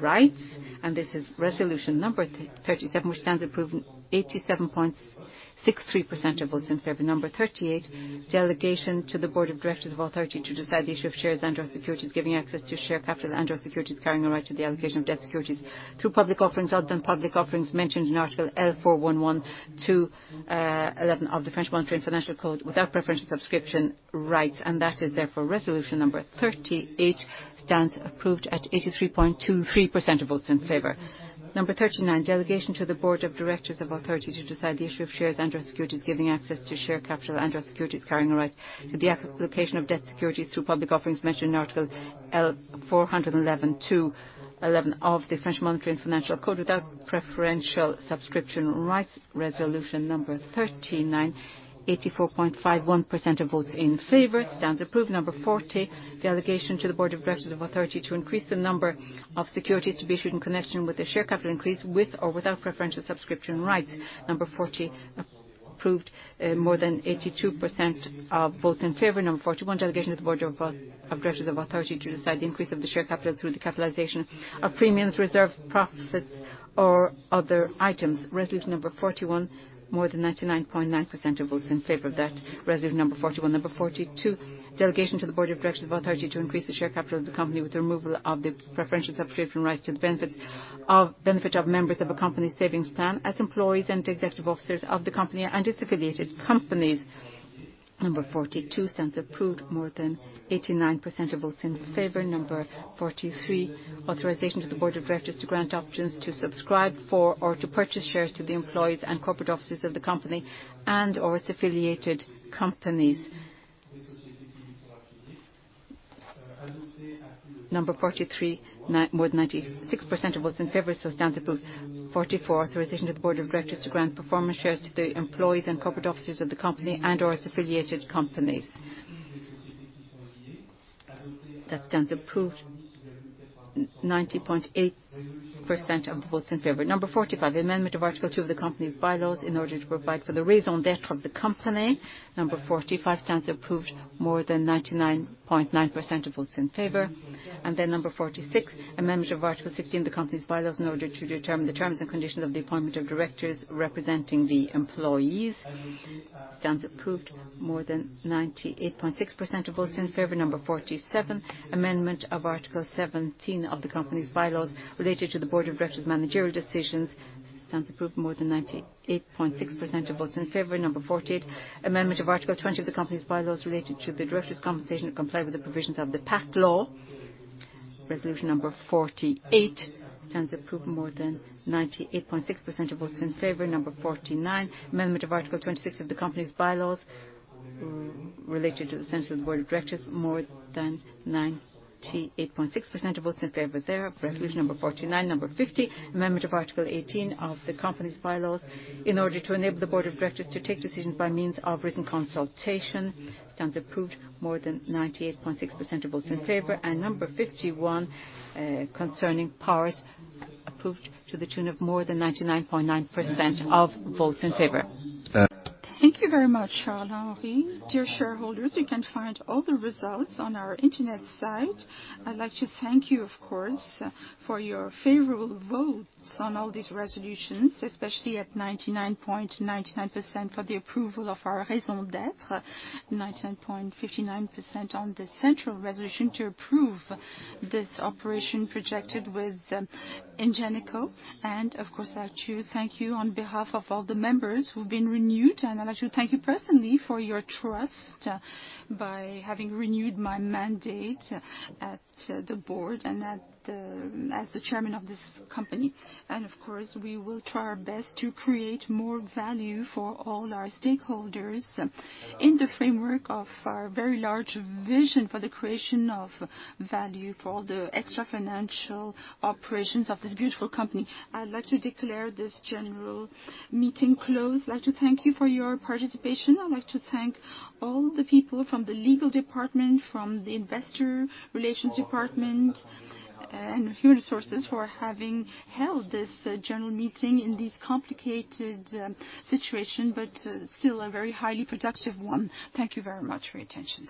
A: rights. And this is resolution number 37, which stands approved, 87.63% of votes in favor. Number 38, delegation to the board of directors of authority to decide the issue of shares and/or securities, giving access to share capital and/or securities, carrying a right to the allocation of debt securities through public offerings, other than public offerings mentioned in article L411.2.11 of the French Monetary and Financial Code without preferential subscription rights. And that is, therefore, resolution number 38 stands approved at 83.23% of votes in favor. Number 39, delegation to the board of directors of authority to decide the issue of shares and/or securities, giving access to share capital and/or securities, carrying a right to the allocation of debt securities through public offerings mentioned in article L411.2.11 of the French Monetary and Financial Code without preferential subscription rights. Resolution number 39, 84.51% of votes in favor stands approved. Number 40, delegation to the board of directors of authority to increase the number of securities to be issued in connection with the share capital increase with or without preferential subscription rights. Number 40, approved, more than 82% of votes in favor. Number 41, delegation to the board of directors of authority to decide the increase of the share capital through the capitalisation of premiums, reserves, profits, or other items. Resolution number 41, more than 99.9% of votes in favor of that. Resolution number 41. Number 42, delegation to the board of directors of authority to increase the share capital of the company with removal of the preferential subscription rights to the benefit of members of a company savings plan as employees and executive officers of the company and its affiliated companies. Number 42 stands approved, more than 89% of votes in favor. Number 43, authorization to the board of directors to grant options to subscribe for or to purchase shares to the employees and corporate officers of the company and/or its affiliated companies. Number 43, more than 96% of votes in favor, so stands approved. 44, authorization to the board of directors to grant performance shares to the employees and corporate officers of the company and/or its affiliated companies. That stands approved, 90.8% of the votes in favor. Number 45, amendment of Article 2 of the company's bylaws in order to provide for the raison d'être of the company. Number 45 stands approved, more than 99.9% of votes in favor. And then number 46, amendment of Article 16 of the company's bylaws in order to determine the terms and conditions of the appointment of directors representing the employees. Stands approved, more than 98.6% of votes in favor. Number 47, amendment of article 17 of the company's bylaws related to the board of directors' managerial decisions. Stands approved, more than 98.6% of votes in favor. Number 48, amendment of article 20 of the company's bylaws related to the directors' compensation to comply with the provisions of the PACT law. Resolution number 48 stands approved, more than 98.6% of votes in favor. Number 49, amendment of article 26 of the company's bylaws related to the standards of the board of directors, more than 98.6% of votes in favor there. Resolution number 49. Number 50, amendment of article 18 of the company's bylaws in order to enable the board of directors to take decisions by means of written consultation. Stands approved, more than 98.6% of votes in favor. And number 51, concerning Powers, approved to the tune of more than 99.9% of votes in favor. Thank you very much, Charles-Henri. Dear shareholders, you can find all the results on our internet site. I'd like to thank you, of course, for your favorable votes on all these resolutions, especially at 99.99% for the approval of our raison d'être, 99.59% on the central resolution to approve this operation projected with Ingenico. And, of course, I'd like to thank you on behalf of all the members who've been renewed. And I'd like to thank you personally for your trust by having renewed my mandate at the board and as the chairman of this company. And, of course, we will try our best to create more value for all our stakeholders in the framework of our very large vision for the creation of value for all the extra-financial operations of this beautiful company. I'd like to declare this general meeting closed. I'd like to thank you for your participation. I'd like to thank all the people from the legal department, from the investor relations department, and human resources for having held this general meeting in this complicated situation but still a very highly productive one. Thank you very much for your attention.